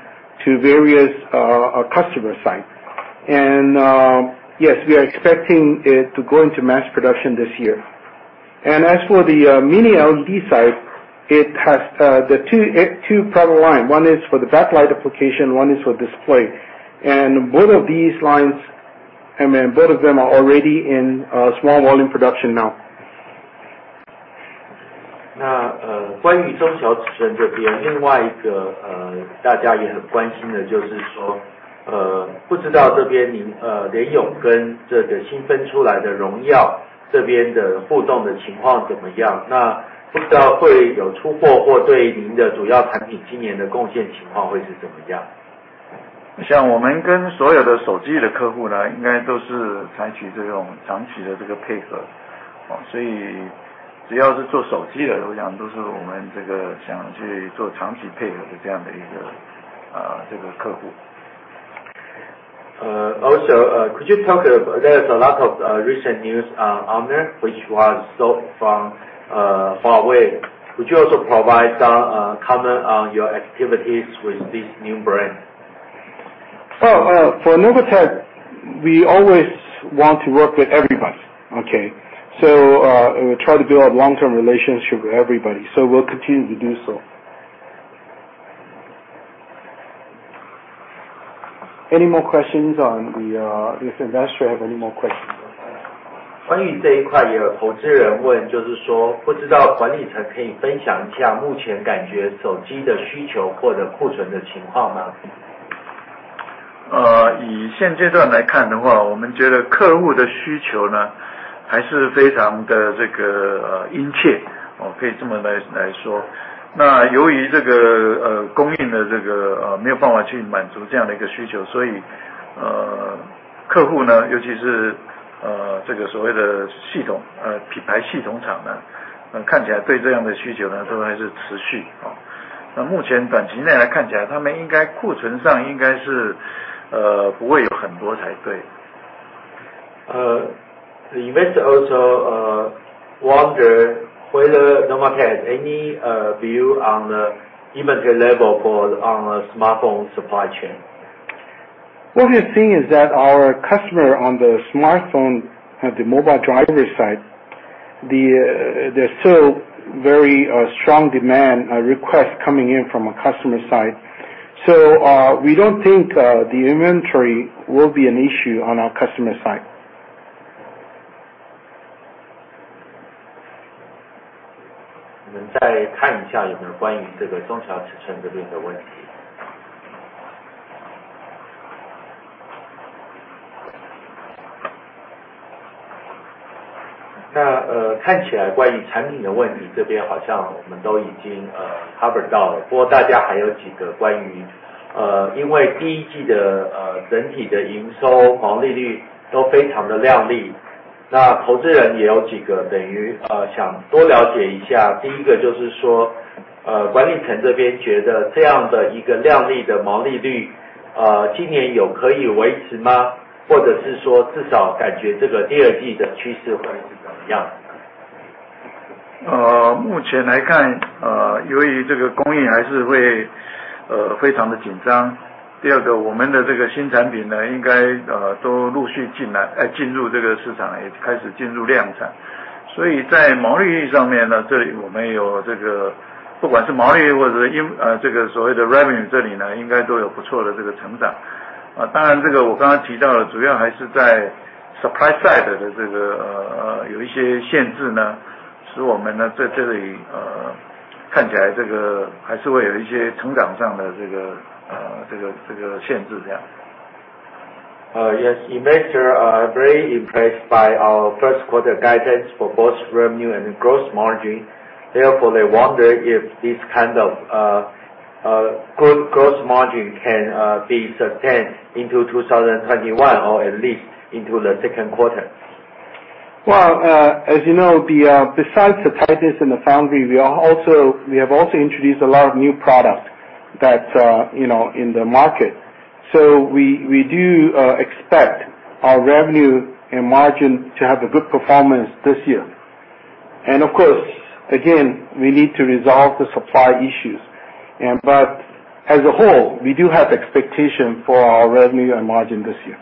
to various customer sites. Yes, we are expecting it to go into mass production this year. As for the mini LED side, it has the two product lines; one is for the backlight application, one is for display. Both of these lines, I mean, both of them are already in small volume production now. 关于中小尺寸这边，另外一个大家也很关心的就是说，不知道这边您联咏跟这个新分出来的荣耀这边的互动的情况怎么样。那不知道会有出货或对您的主要产品今年的贡献情况会是怎么样。我想我们跟所有的手机的客户呢，应该都是采取这种长期的这个配合。所以只要是做手机的，我想都是我们这个想去做长期配合的这样的一个这个客户。Also, could you talk a little bit about a lot of recent news on there, which was sold from Huawei? Could you also provide some comment on your activities with this new brand? For Novatek, we always want to work with everybody, okay? So we try to build a long-term relationship with everybody. So we'll continue to do so. Any more questions on this investor? Have any more questions? 关于这一块有投资人问就是说，不知道管理层可以分享一下目前感觉手机的需求或者库存的情况吗？以现阶段来看的话，我们觉得客户的需求呢，还是非常的这个殷切，可以这么来说。那由于这个供应的这个没有办法去满足这样的一个需求，所以客户呢，尤其是这个所谓的系统品牌系统厂呢，看起来对这样的需求呢，都还是持续。那目前短期内来看起来，他们应该库存上应该是不会有很多才对。The investor also wondered, whether Novatek has any view on the inventory level for on the smartphone supply chain? What we've seen is that our customer on the smartphone and the mobile driver side, there's still very strong demand requests coming in from a customer side. So we don't think the inventory will be an issue on our customer side. side的这个有一些限制呢，使我们呢，在这里看起来这个还是会有一些成长上的这个限制这样。Yes, investors are very impressed by our first quarter guidance for both revenue and gross margin. Therefore, they wonder if this kind of gross margin can be sustained into 2021 or at least into the second quarter. Well, as you know, besides the tightness in the foundry, we have also introduced a lot of new products in the market. So we do expect our revenue and margin to have a good performance this year. Of course, again, we need to resolve the supply issues. But as a whole, we do have expectations for our revenue and margin this year.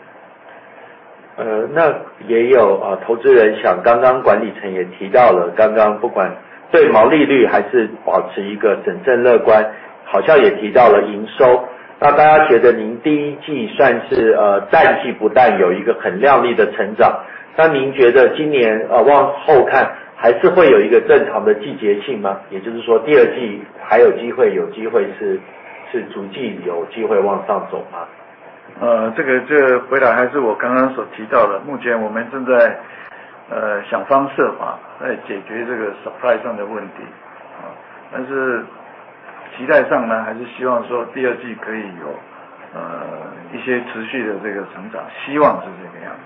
那也有投资人想，刚刚管理层也提到了，刚刚不管对毛利率还是保持一个审慎乐观，好像也提到了营收。那大家觉得您第一季算是淡季不淡，有一个很亮丽的成长。那您觉得今年往后看还是会有一个正常的季节性吗？也就是说第二季还有机会，有机会是逐季有机会往上走吗？ 这个回答还是我刚刚所提到的，目前我们正在想方设法来解决这个supply上的问题。但是期待上呢，还是希望说第二季可以有一些持续的这个成长，希望是这个样子。Follow-up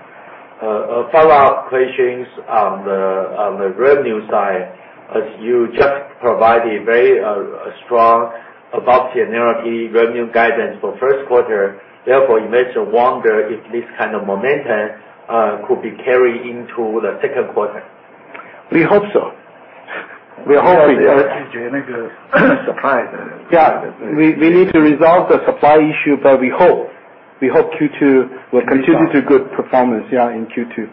questions on the revenue side. You just provided a very strong above ten-year revenue guidance for first quarter. Therefore, investors wonder if this kind of momentum could be carried into the second quarter. We hope so. 我们也是觉得那个supply的。Yeah, we need to resolve the supply issue, but we hope Q2 will continue to good performance in Q2.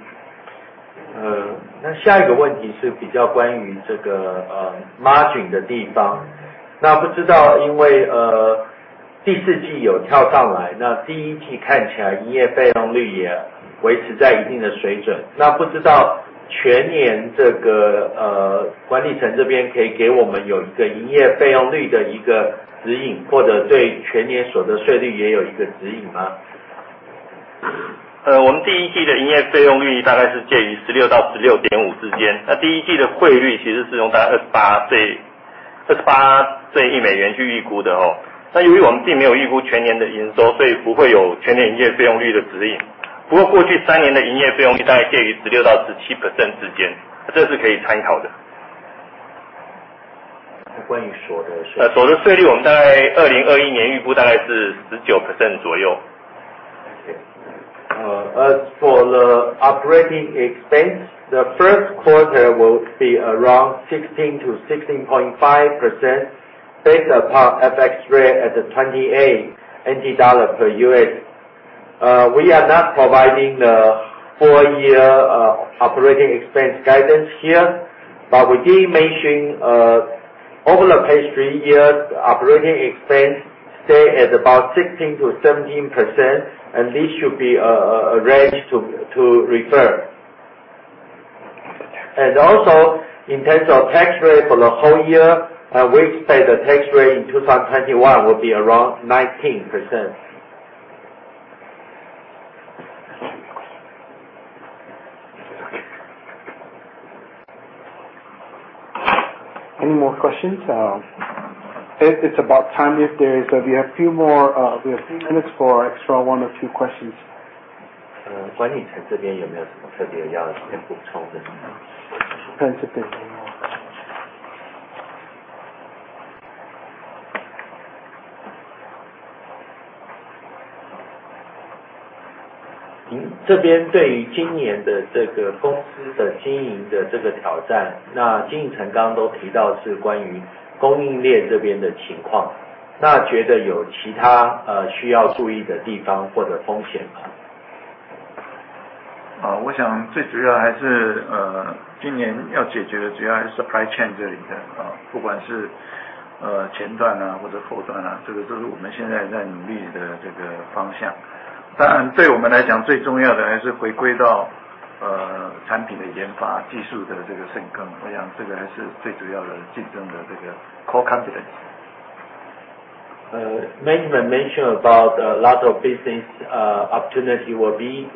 那下一個問題是比較關於這個margin的地方。那不知道因為第四季有跳上來，那第一季看起來營業費用率也維持在一定的水準。那不知道全年這個管理層這邊可以給我們有一個營業費用率的一個指引，或者對全年所得稅率也有一個指引嗎？ For the operating expense, the first quarter will be around 16% to 16.5% based upon FX rate at the 28 NT dollar per US. We are not providing the four-year operating expense guidance here, but we did mention over the past three years operating expense stay at about 16% to 17%, and this should be a range to refer. And also, in terms of tax rate for the whole year, we expect the tax rate in 2021 will be around 19%. Any more questions? It's about time here. There is a few more minutes for extra one or two questions. 管理層這邊有沒有什麼特別要補充的？ Thanks, Steve. 這邊對於今年的這個公司的經營的這個挑戰，那經營層剛剛都提到是關於供應鏈這邊的情況。那覺得有其他需要注意的地方或者風險嗎？ 我想最主要還是今年要解決的主要還是supply chain這裡的，不管是前段或者後段，這個都是我們現在在努力的這個方向。當然對我們來講最重要的還是回歸到產品的研發技術的這個深耕，我想這個還是最主要的競爭的這個core competence。Management mentioned about a lot of business opportunity will be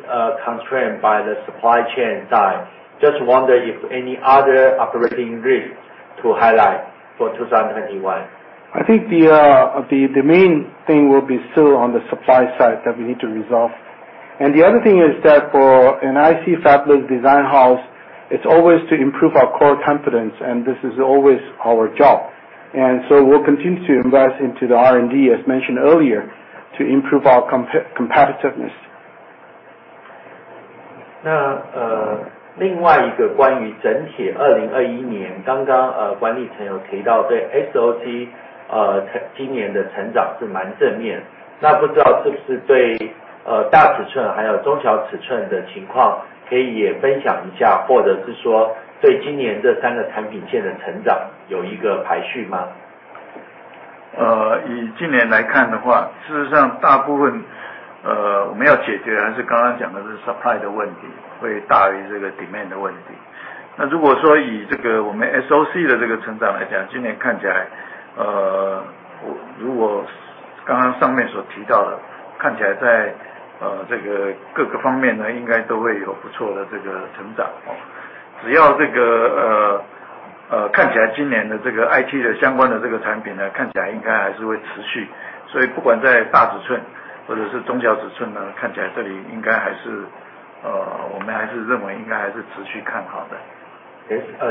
constrained by the supply chain side. Just wonder if any other operating risk to highlight for 2021? I think the main thing will be still on the supply side that we need to resolve. The other thing is that for an IC fabric design house, it's always to improve our core competence, and this is always our job. So we'll continue to invest into the R&D, as mentioned earlier, to improve our competitiveness.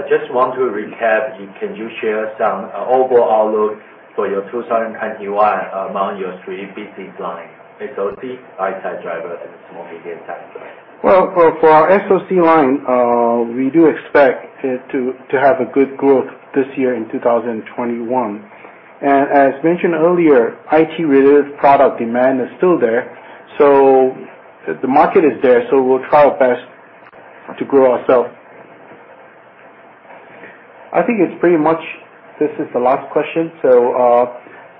Just want to recap, can you share some overall outlook for your 2021 among your three business lines: SOC, life cycle driver, and small medium size driver? For our SOC line, we do expect it to have a good growth this year in 2021. As mentioned earlier, IT-related product demand is still there. So the market is there, so we'll try our best to grow ourselves. I think this is pretty much the last question. So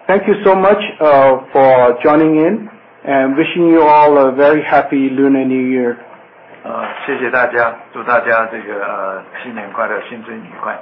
thank you so much for joining in, and wishing you all a very happy Lunar New Year. 谢谢大家，祝大家这个新年快乐，新春愉快。